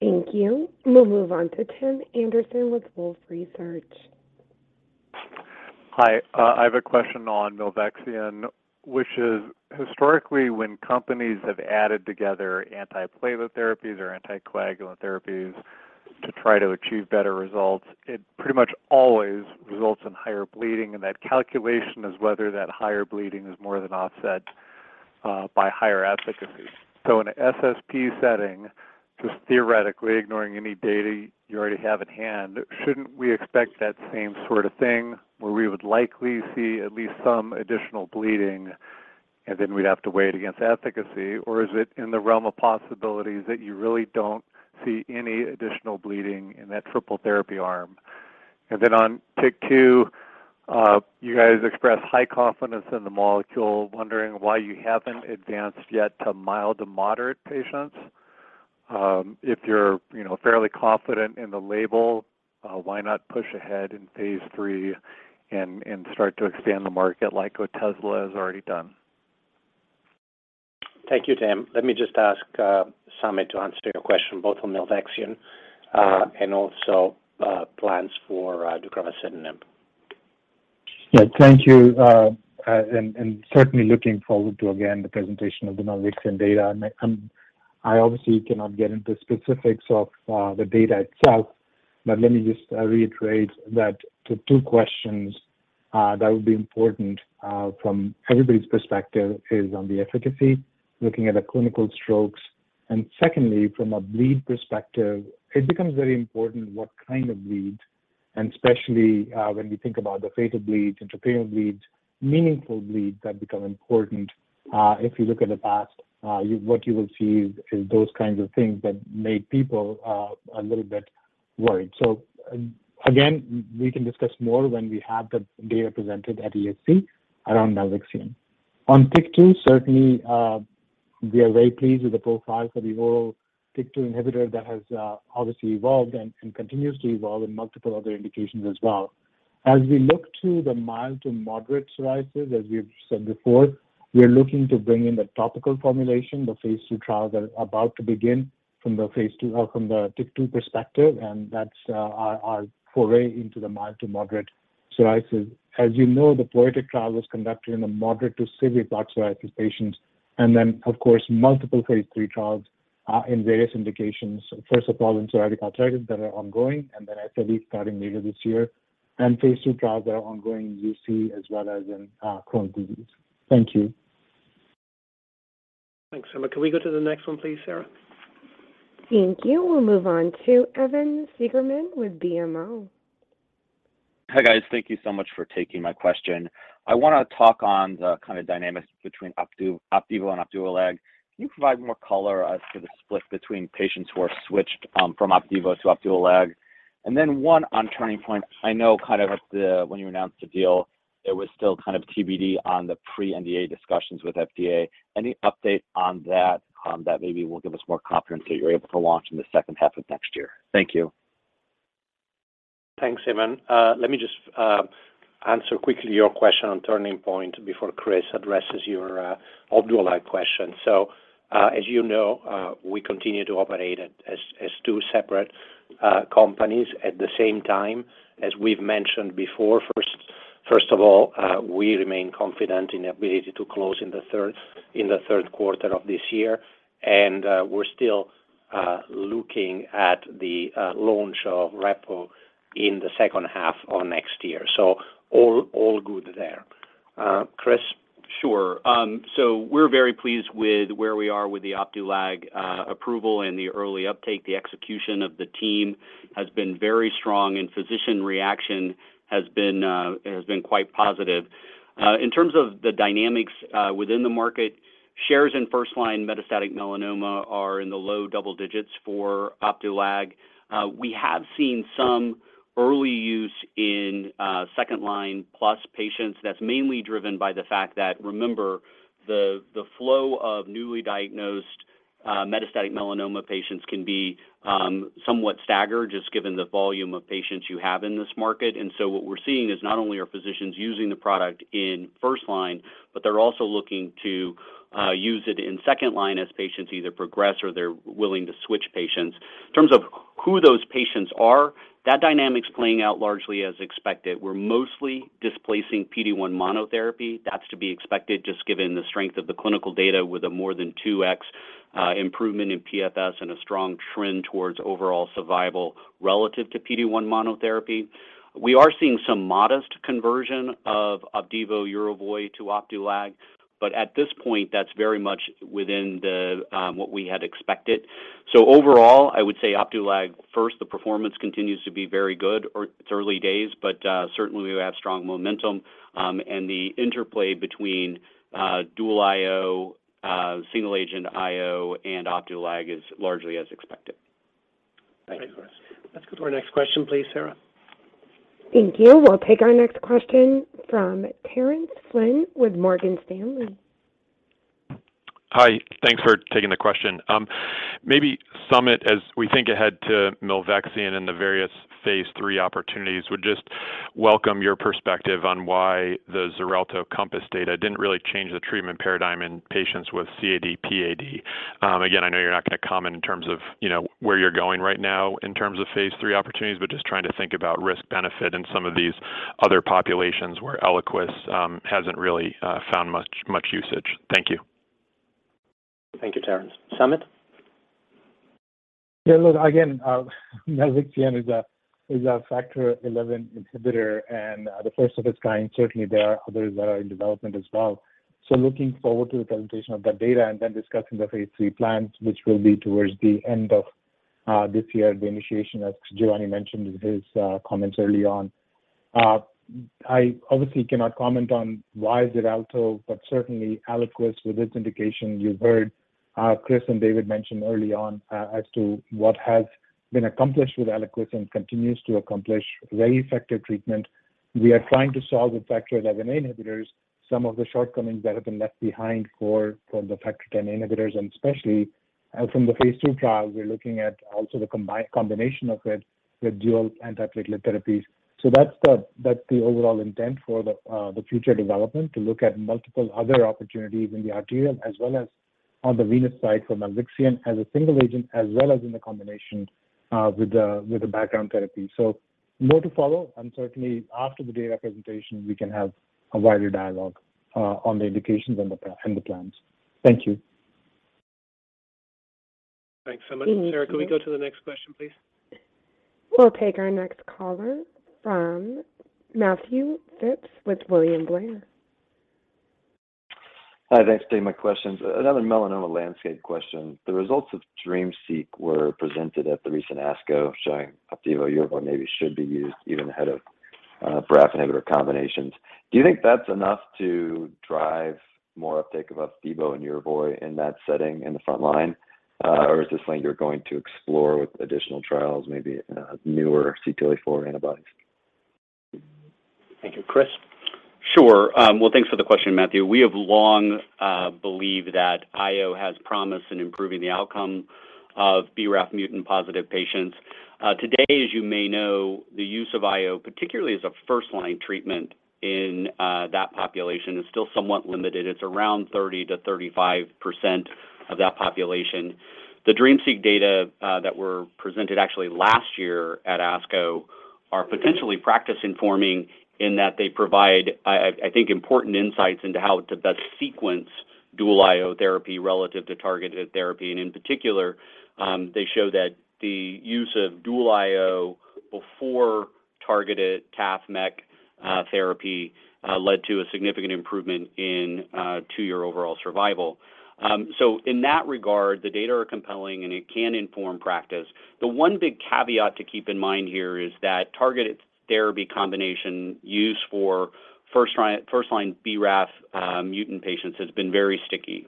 Thank you. We'll move on to Tim Anderson with Wolfe Research. Hi. I have a question on Milvexian, which is historically, when companies have added together antiplatelet therapies or anticoagulant therapies to try to achieve better results, it pretty much always results in higher bleeding, and that calculation is whether that higher bleeding is more than offset by higher efficacy. In an SSP setting, just theoretically ignoring any data you already have at hand, shouldn't we expect that same sort of thing where we would likely see at least some additional bleeding, and then we'd have to weigh it against efficacy? Or is it in the realm of possibilities that you really don't see any additional bleeding in that triple therapy arm? And then on TYK2, you guys express high confidence in the molecule, wondering why you haven't advanced yet to mild to moderate patients. If you're, you know, fairly confident in the label, why not push ahead in phase III and start to expand the market like Otezla has already done? Thank you, Tim. Let me just ask Samit to answer your question both on Milvexian, and also, plans for, deucravacitinib. Yeah. Thank you. Certainly looking forward to, again, the presentation of the Milvexian data. I obviously cannot get into specifics of the data itself. Let me just reiterate that the two questions that would be important from everybody's perspective is on the efficacy, looking at the clinical strokes. Secondly, from a bleed perspective, it becomes very important what kind of bleed, and especially when we think about the types of bleeds, intrapatient bleeds, meaningful bleeds that become important. If you look at the past, what you will see is those kinds of things that make people a little bit worried. Again, we can discuss more when we have the data presented at ESC around Milvexian. On TYK2, certainly, we are very pleased with the profile for the oral TYK2 inhibitor that has obviously evolved and continues to evolve in multiple other indications as well. As we look to the mild to moderate psoriasis, as we've said before, we are looking to bring in the topical formulation, the phase II trials are about to begin from the TYK2 perspective, and that's our foray into the mild to moderate psoriasis. As you know, the POETYK trial was conducted in a moderate to severe plaque psoriasis patients, and then of course, multiple phase III trials in various indications. First of all, in psoriatic arthritis that are ongoing, and then SLE starting later this year, and phase II trials that are ongoing in UC as well as in Crohn's disease. Thank you. Thanks, Samit. Can we go to the next one, please, Sarah? Thank you. We'll move on to Evan Seigerman with BMO. Hi, guys. Thank you so much for taking my question. I wanna talk on the kind of dynamics between Opdivo and Opdualag. Can you provide more color as to the split between patients who are switched from Opdivo to Opdualag? One on Turning Point. I know kind of at the when you announced the deal, it was still kind of TBD on the pre-NDA discussions with FDA. Any update on that that maybe will give us more confidence that you're able to launch in the second half of next year? Thank you. Thanks, Evan. Let me just answer quickly your question on Turning Point Therapeutics before Chris addresses your Opdualag question. As you know, we continue to operate as two separate companies. At the same time, as we've mentioned before, first of all, we remain confident in our ability to close in the third quarter of this year. We're still looking at the launch of Repotrectinib in the second half of next year. All good there. Chris? Sure. We're very pleased with where we are with the Opdualag approval and the early uptake. The execution of the team has been very strong, and physician reaction has been quite positive. In terms of the dynamics within the market, shares in first-line metastatic melanoma are in the low double digits for Opdualag. We have seen some early use in second-line plus patients. That's mainly driven by the fact that, remember, the flow of newly diagnosed metastatic melanoma patients can be somewhat staggered, just given the volume of patients you have in this market. What we're seeing is not only are physicians using the product in first line, but they're also looking to use it in second line as patients either progress or they're willing to switch patients. In terms of who those patients are, that dynamic's playing out largely as expected. We're mostly displacing PD-1 monotherapy. That's to be expected just given the strength of the clinical data with a more than 2x improvement in PFS and a strong trend towards overall survival relative to PD-1 monotherapy. We are seeing some modest conversion of Opdivo Yervoy to Opdualag, but at this point, that's very much within the what we had expected. Overall, I would say Opdualag first, the performance continues to be very good. Or it's early days, but certainly we have strong momentum, and the interplay between dual IO, single agent IO and Opdualag is largely as expected. Thank you. Great. Let's go to our next question, please, Sarah. Thank you. We'll take our next question from Terence Flynn with Morgan Stanley. Hi. Thanks for taking the question. Maybe Samit, as we think ahead to Milvexian and the various phase III opportunities, would just welcome your perspective on why the XARELTO COMPASS data didn't really change the treatment paradigm in patients with CAD/PAD. Again, I know you're not gonna comment in terms of, you know, where you're going right now in terms of phase III opportunities, but just trying to think about risk-benefit in some of these other populations where ELIQUIS hasn't really found much usage. Thank you. Thank you, Terence. Samit? Yeah, look, again, Milvexian is a Factor XIa inhibitor and the first of its kind. Certainly, there are others that are in development as well. Looking forward to the presentation of that data and then discussing the phase III plans, which will be towards the end of this year, the initiation, as Giovanni mentioned in his comments early on. I obviously cannot comment on why XARELTO, but certainly ELIQUIS with this indication, you've heard Chris and David mention early on as to what has been accomplished with ELIQUIS and continues to accomplish very effective treatment. We are trying to solve with Factor XIa inhibitors some of the shortcomings that have been left behind from the Factor Xa inhibitors, and especially from the phase II trials, we're looking at also the combination of it with dual antiplatelet therapies. That's the overall intent for the future development, to look at multiple other opportunities in the arterial as well as on the venous side for Milvexian as a single agent as well as in the combination with the background therapy. More to follow, and certainly after the data presentation, we can have a wider dialogue on the indications and the plans. Thank you. Thanks so much. Sarah, can we go to the next question, please? We'll take our next caller from Matthew Phipps with William Blair. Hi, thanks for taking my questions. Another melanoma landscape question. The results of DREAMseq were presented at the recent ASCO showing Opdivo Yervoy maybe should be used even ahead of. For BRAF inhibitor combinations. Do you think that's enough to drive more uptake of Opdivo and Yervoy in that setting in the front line? Or is this something you're going to explore with additional trials, maybe, newer CTLA-4 antibodies? Thank you. Chris? Sure. Well, thanks for the question, Matthew. We have long believed that IO has promise in improving the outcome of BRAF mutant-positive patients. Today, as you may know, the use of IO, particularly as a first-line treatment in that population, is still somewhat limited. It's around 30%-35% of that population. The DREAMseq data that were presented actually last year at ASCO are potentially practice-informing in that they provide, I think, important insights into how to best sequence dual IO therapy relative to targeted therapy. In particular, they show that the use of dual IO before targeted BRAF/MEK therapy led to a significant improvement in two-year overall survival. In that regard, the data are compelling, and it can inform practice. The one big caveat to keep in mind here is that targeted therapy combination used for first-line BRAF mutant patients has been very sticky.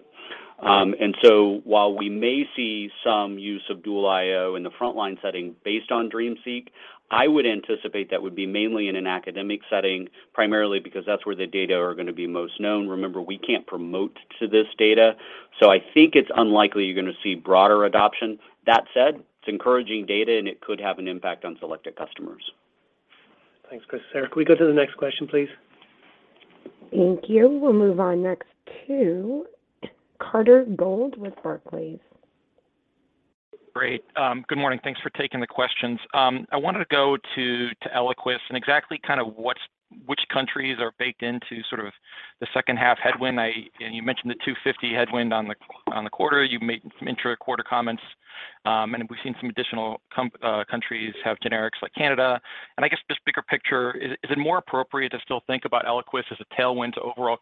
While we may see some use of dual IO in the front-line setting based on DREAMseq, I would anticipate that would be mainly in an academic setting, primarily because that's where the data are gonna be most known. Remember, we can't promote to this data, so I think it's unlikely you're gonna see broader adoption. That said, it's encouraging data, and it could have an impact on selected customers. Thanks, Chris. Sarah, can we go to the next question, please? Thank you. We'll move on next to Carter Gould with Barclays. Great. Good morning. Thanks for taking the questions. I wanted to go to ELIQUIS and exactly kind of which countries are baked into sort of the second half headwind. You mentioned the $250 headwind on the quarter. You've made some intra-quarter comments, and we've seen some additional countries have generics like Canada. I guess just bigger picture, is it more appropriate to still think about ELIQUIS as a tailwind to overall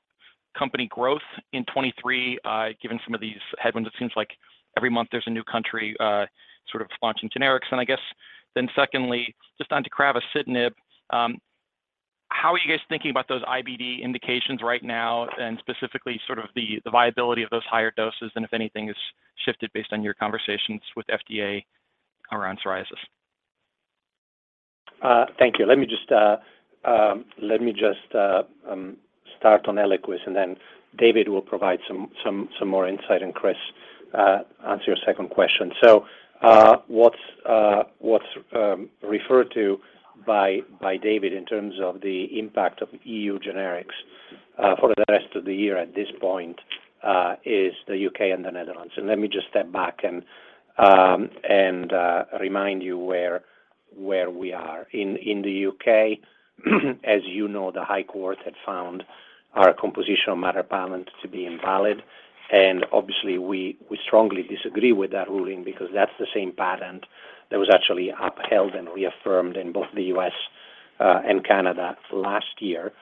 company growth in 2023, given some of these headwinds? It seems like every month there's a new country sort of launching generics. I guess secondly, just on to deucravacitinib, how are you guys thinking about those IBD indications right now, and specifically sort of the viability of those higher doses and if anything has shifted based on your conversations with FDA around psoriasis? Thank you. Let me just start on ELIQUIS, and then David will provide some more insight, and Chris answer your second question. What's referred to by David in terms of the impact of E.U. generics for the rest of the year at this point is the U.K. and the Netherlands. Let me just step back and remind you where we are. In the U.K., as you know, the High Court had found our composition of matter patent to be invalid. Obviously we strongly disagree with that ruling because that's the same patent that was actually upheld and reaffirmed in both the U.S. and Canada last year.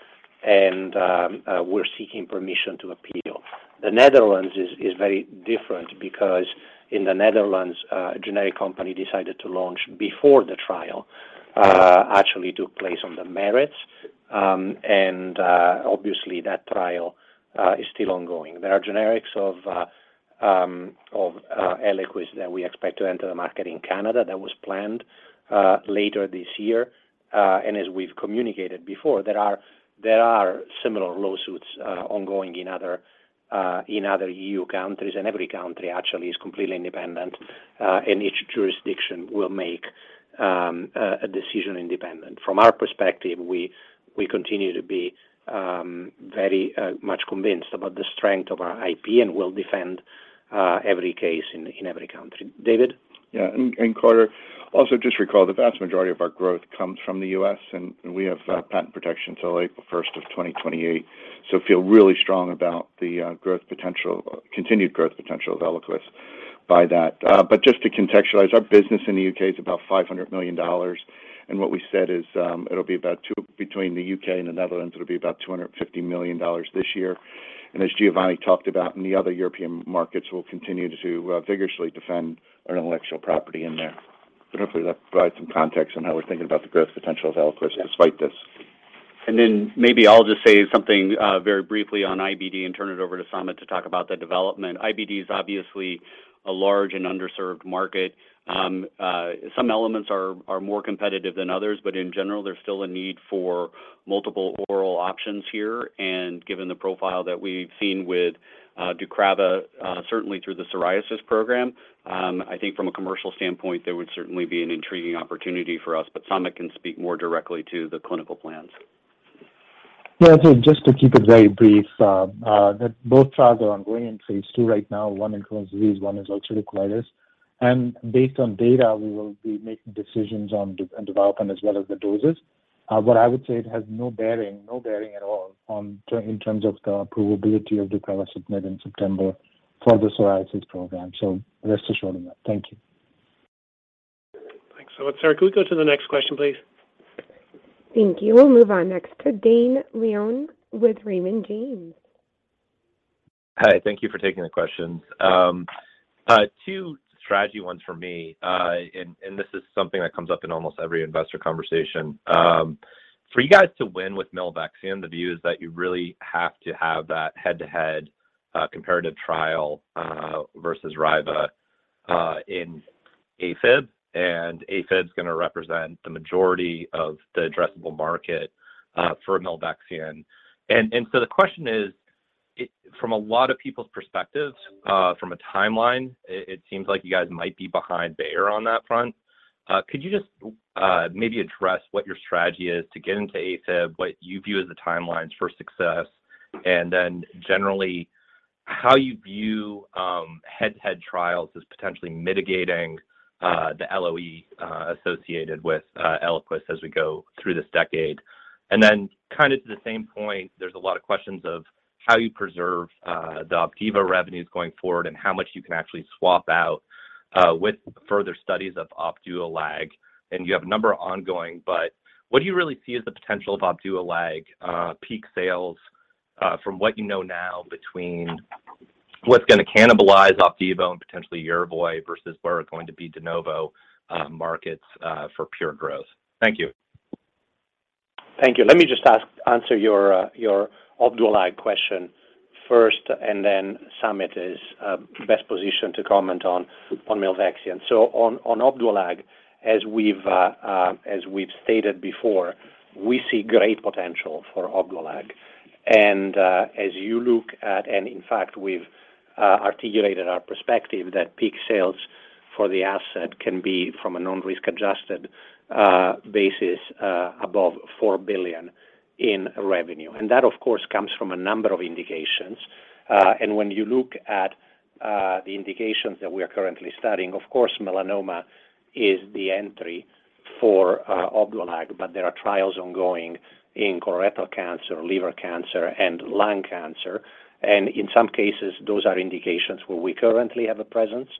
We're seeking permission to appeal. The Netherlands is very different because in the Netherlands, a generic company decided to launch before the trial actually took place on the merits, and obviously that trial is still ongoing. There are generics of ELIQUIS that we expect to enter the market in Canada. That was planned later this year. As we've communicated before, there are similar lawsuits ongoing in other E.U. countries. Every country actually is completely independent, and each jurisdiction will make a decision independent. From our perspective, we continue to be very much convinced about the strength of our IP and will defend every case in every country. David? Yeah. Carter, also just recall the vast majority of our growth comes from the U.S., and we have patent protection till April 1st, 2028. Feel really strong about the growth potential, continued growth potential of ELIQUIS by that. But just to contextualize, our business in the U.K. is about $500 million. What we said is, it'll be about between the U.K. and the Netherlands, it'll be about $250 million this year. As Giovanni talked about, in the other European markets, we'll continue to vigorously defend our intellectual property in there. Hopefully that provides some context on how we're thinking about the growth potential of ELIQUIS despite this. Maybe I'll just say something very briefly on IBD and turn it over to Samit to talk about the development. IBD is obviously a large and underserved market. Some elements are more competitive than others, but in general, there's still a need for multiple oral options here. Given the profile that we've seen with deucravacitinib certainly through the psoriasis program, I think from a commercial standpoint, there would certainly be an intriguing opportunity for us. Samit can speak more directly to the clinical plans. Yeah. Just to keep it very brief, both trials are ongoing in phase II right now. One in Crohn's disease, one is ulcerative colitis. Based on data, we will be making decisions on development as well as the doses. What I would say, it has no bearing at all in terms of the approvability of deucravacitinib in September for the psoriasis program. Rest assured on that. Thank you. Thanks a lot. Sarah, can we go to the next question, please? Thank you. We'll move on next to Dane Leone with Raymond James. Hi, thank you for taking the questions. Two strategy ones for me, and this is something that comes up in almost every investor conversation. For you guys to win with Milvexian, the view is that you really have to have that head-to-head comparative trial versus XARELTO in AFib. AFib's gonna represent the majority of the addressable market for Milvexian. The question is from a lot of people's perspectives, from a timeline, it seems like you guys might be behind Bayer on that front. Could you just maybe address what your strategy is to get into AFib, what you view as the timelines for success, and then generally how you view head-to-head trials as potentially mitigating the LOE associated with ELIQUIS as we go through this decade? Kinda to the same point, there's a lot of questions of how you preserve the Opdivo revenues going forward and how much you can actually swap out with further studies of Opdualag. You have a number of ongoing, but what do you really see as the potential of Opdualag peak sales from what you know now between what's gonna cannibalize Opdivo and potentially Yervoy versus what are going to be de novo markets for pure growth? Thank you. Thank you. Let me just answer your Opdualag question first, and then Samit is best positioned to comment on Milvexian. On Opdualag, as we've stated before, we see great potential for Opdualag. In fact, we've articulated our perspective that peak sales for the asset can be, from a non-risk adjusted basis, above $4 billion in revenue. That of course comes from a number of indications. When you look at the indications that we are currently studying, of course melanoma is the entry for Opdualag, but there are trials ongoing in colorectal cancer, liver cancer, and lung cancer. In some cases, those are indications where we currently have a presence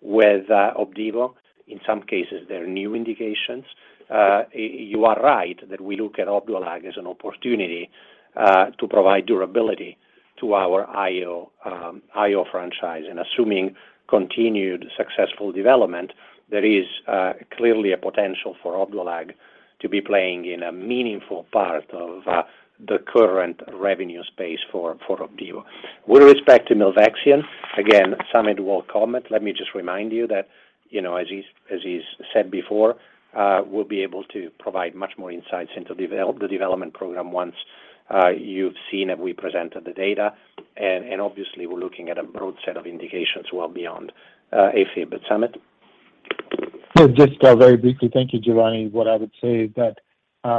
with Opdivo. In some cases, they're new indications. You are right that we look at Opdualag as an opportunity to provide durability to our IO franchise. Assuming continued successful development, there is clearly a potential for Opdualag to be playing in a meaningful part of the current revenue space for Opdivo. With respect to Milvexian, again, Samit will comment. Let me just remind you that as he's said before, we'll be able to provide much more insights into the development program once you've seen that we presented the data. Obviously we're looking at a broad set of indications well beyond AFib. Samit. Yeah. Just very briefly. Thank you, Giovanni. What I would say is that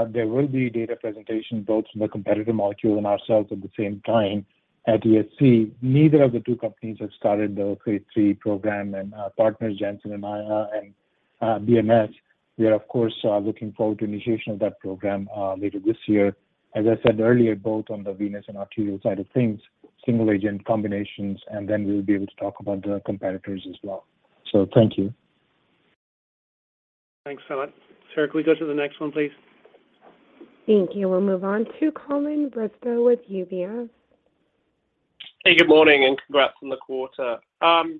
there will be data presentation both from the competitor molecule and ourselves at the same time at ESC. Neither of the two companies have started the phase III program, and our partners, Janssen, and EMA, and BMS, we are of course looking forward to initiation of that program later this year. As I said earlier, both on the venous and arterial side of things, single agent combinations, and then we'll be able to talk about the competitors as well. Thank you. Thanks, Samit. Sarah, can we go to the next one, please? Thank you. We'll move on to Colin Bristow with UBS. Hey, good morning, and congrats on the quarter. On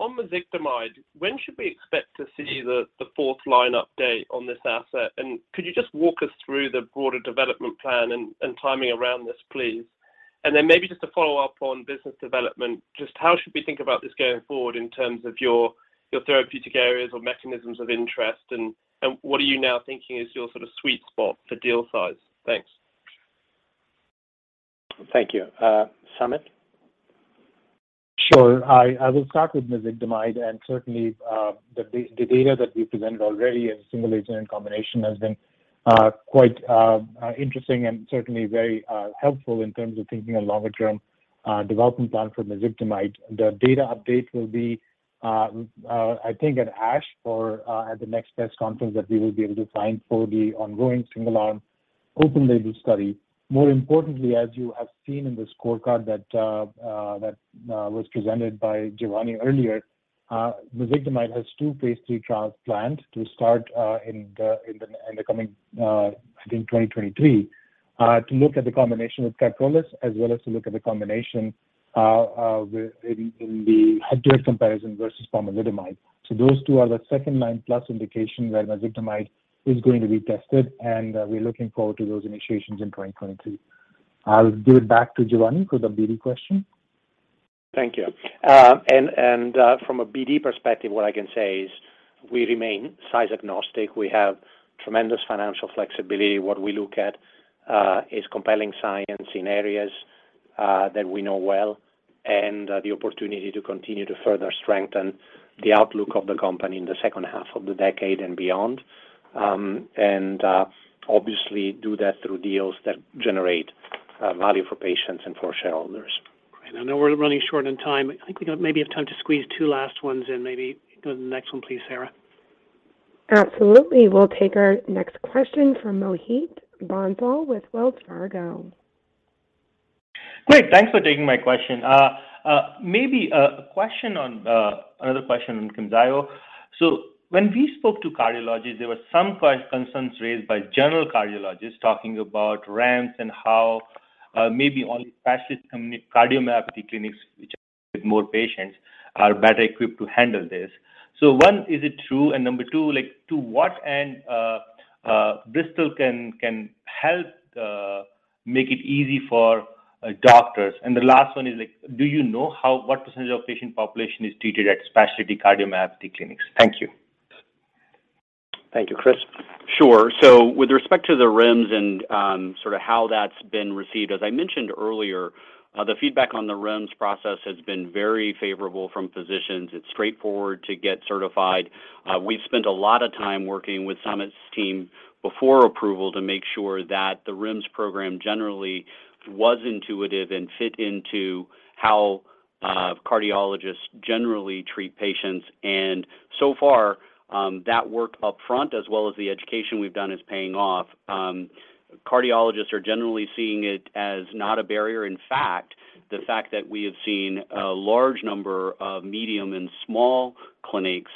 Mezigdomide, when should we expect to see the fourth line update on this asset? Could you just walk us through the broader development plan and timing around this please? Then maybe just to follow up on business development, just how should we think about this going forward in terms of your therapeutic areas or mechanisms of interest, and what are you now thinking is your sort of sweet spot for deal size? Thanks. Thank you. Samit? Sure. I will start with Mezigdomide and certainly the data that we presented already in single agent combination has been quite interesting and certainly very helpful in terms of thinking a longer term development plan for Mezigdomide. The data update will be, I think at ASH or at the next best conference that we will be able to find for the ongoing single arm open label study. More importantly, as you have seen in the scorecard that was presented by Giovanni earlier, Mezigdomide has two phase III trials planned to start in the coming, I think 2023, to look at the combination of carfilzomib as well as to look at the combination in the head-to-head comparison versus pomalidomide. Those two are the second 9+ indication where Mezigdomide is going to be tested, and we're looking forward to those initiations in 2023. I'll give it back to Giovanni for the BD question. Thank you. From a BD perspective, what I can say is we remain size agnostic. We have tremendous financial flexibility. What we look at is compelling science in areas that we know well and the opportunity to continue to further strengthen the outlook of the company in the second half of the decade and beyond. Obviously do that through deals that generate value for patients and for shareholders. Great. I know we're running short on time. I think we got maybe have time to squeeze two last ones in. Maybe go to the next one please, Sarah. Absolutely. We'll take our next question from Mohit Bansal with Wells Fargo. Great. Thanks for taking my question. Maybe another question on Camzyos. When we spoke to cardiologists, there were some concerns raised by general cardiologists talking about ramps and how maybe only specialist cardiomyopathy clinics, which get more patients are better equipped to handle this. One, is it true? Number two, like, to what end Bristol can help make it easy for doctors? The last one is like, do you know what percentage of patient population is treated at specialty cardiomyopathy clinics? Thank you. Thank you. Chris? Sure. With respect to the REMS and sort of how that's been received, as I mentioned earlier, the feedback on the REMS process has been very favorable from physicians. It's straightforward to get certified. We've spent a lot of time working with Samit’s team before approval to make sure that the REMS program generally was intuitive and fit into how cardiologists generally treat patients. That work up front, as well as the education we've done, is paying off. Cardiologists are generally seeing it as not a barrier. In fact, the fact that we have seen a large number of medium and small clinics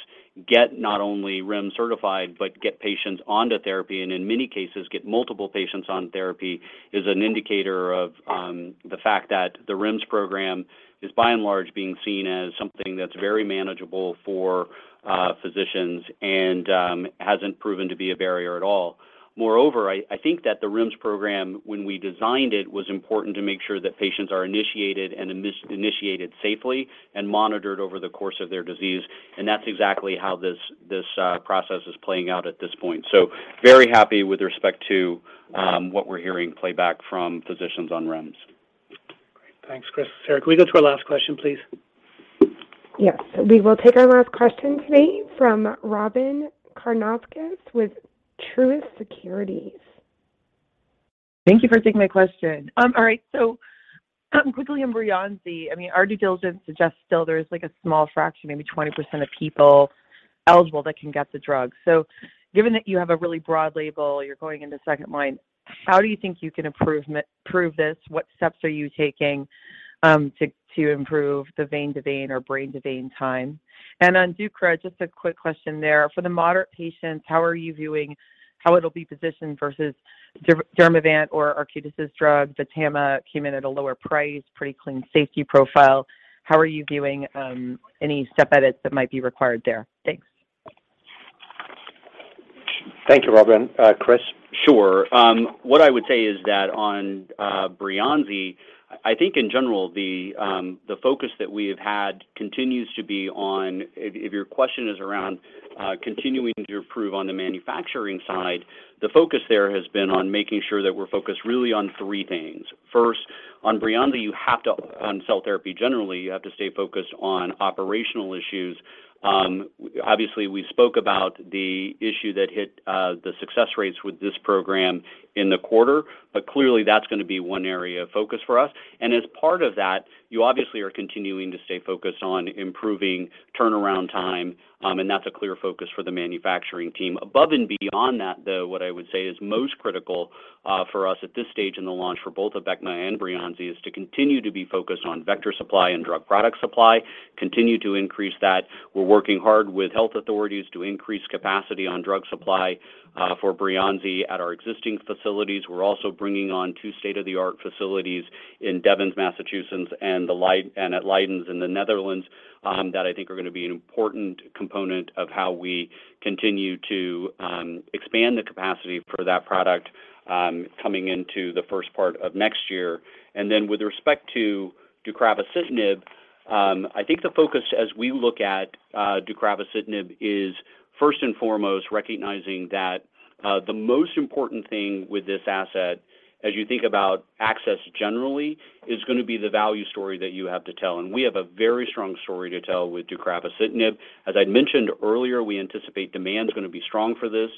get not only REMS certified, but get patients onto therapy and in many cases get multiple patients on therapy is an indicator of the fact that the REMS program is by and large being seen as something that's very manageable for physicians and hasn't proven to be a barrier at all. Moreover, I think that the REMS program, when we designed it, was important to make sure that patients are initiated and initiated safely and monitored over the course of their disease. That's exactly how this process is playing out at this point. Very happy with respect to what we're hearing feedback from physicians on REMS. Great. Thanks, Chris. Sarah, can we go to our last question, please? Yes. We will take our last question today from Robyn Karnauskas with Truist Securities. Thank you for taking my question. All right. Quickly on Breyanzi. I mean, our due diligence suggests still there is like a small fraction, maybe 20% of people eligible that can get the drug. Given that you have a really broad label, you're going into second line, how do you think you can improve improve this? What steps are you taking to improve the vein to vein or brain to vein time? On deucravacitinib, just a quick question there. For the moderate patients, how are you viewing how it'll be positioned versus Dermavant or Arcutis' drug? Vtama came in at a lower price, pretty clean safety profile. How are you viewing any step edits that might be required there? Thanks. Thank you, Robin. Chris? Sure. What I would say is that on Breyanzi, I think in general the focus that we have had continues to be on. If your question is around continuing to improve on the manufacturing side, the focus there has been on making sure that we're focused really on three things. First, on Breyanzi, on cell therapy generally, you have to stay focused on operational issues. Obviously, we spoke about the issue that hit the success rates with this program in the quarter, but clearly that's gonna be one area of focus for us. As part of that, you obviously are continuing to stay focused on improving turnaround time, and that's a clear focus for the manufacturing team. Above and beyond that, though, what I would say is most critical for us at this stage in the launch for both Abecma and Breyanzi is to continue to be focused on vector supply and drug product supply, continue to increase that. We're working hard with health authorities to increase capacity on drug supply for Breyanzi at our existing facilities. We're also bringing on two state-of-the-art facilities in Devens, Massachusetts, and at Leiden in the Netherlands that I think are gonna be an important component of how we continue to expand the capacity for that product coming into the first part of next year. With respect to deucravacitinib, I think the focus as we look at deucravacitinib is first and foremost recognizing that the most important thing with this asset, as you think about access generally, is gonna be the value story that you have to tell. We have a very strong story to tell with deucravacitinib. As I mentioned earlier, we anticipate demand is gonna be strong for this.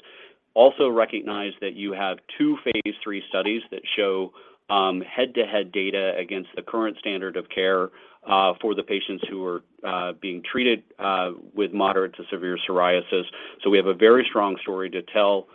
Also recognize that you have two phase III studies that show head-to-head data against the current standard of care for the patients who are being treated with moderate to severe psoriasis. We have a very strong story to tell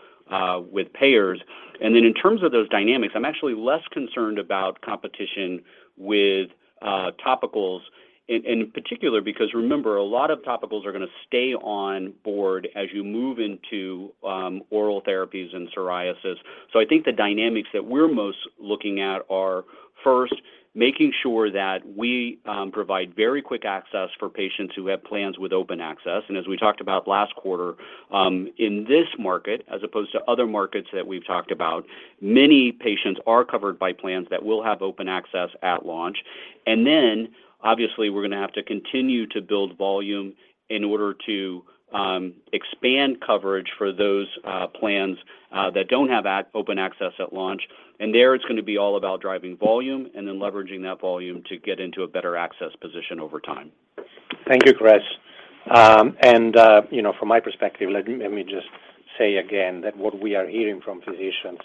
with payers. In terms of those dynamics, I'm actually less concerned about competition with topicals in particular, because remember, a lot of topicals are gonna stay on board as you move into oral therapies in psoriasis. I think the dynamics that we're most looking at are, first, making sure that we provide very quick access for patients who have plans with open access. as we talked about last quarter, in this market, as opposed to other markets that we've talked about, many patients are covered by plans that will have open access at launch. obviously, we're gonna have to continue to build volume in order to expand coverage for those plans that don't have open access at launch. There it's gonna be all about driving volume and then leveraging that volume to get into a better access position over time. Thank you, Chris. You know, from my perspective, let me just say again that what we are hearing from physicians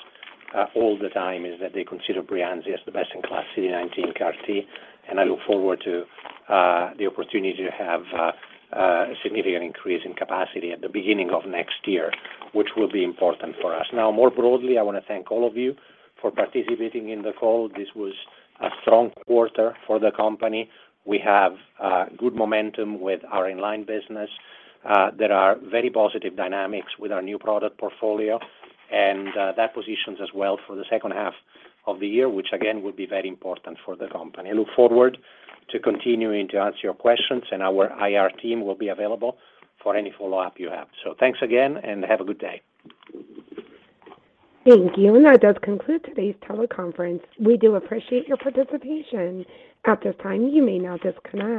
all the time is that they consider Breyanzi as the best-in-class CD19 CAR T, and I look forward to the opportunity to have a significant increase in capacity at the beginning of next year, which will be important for us. Now, more broadly, I wanna thank all of you for participating in the call. This was a strong quarter for the company. We have good momentum with our inline business. There are very positive dynamics with our new product portfolio, and that positions us well for the second half of the year, which again will be very important for the company. I look forward to continuing to answer your questions and our IR team will be available for any follow-up you have. Thanks again and have a good day. Thank you. That does conclude today's teleconference. We do appreciate your participation. At this time, you may now disconnect.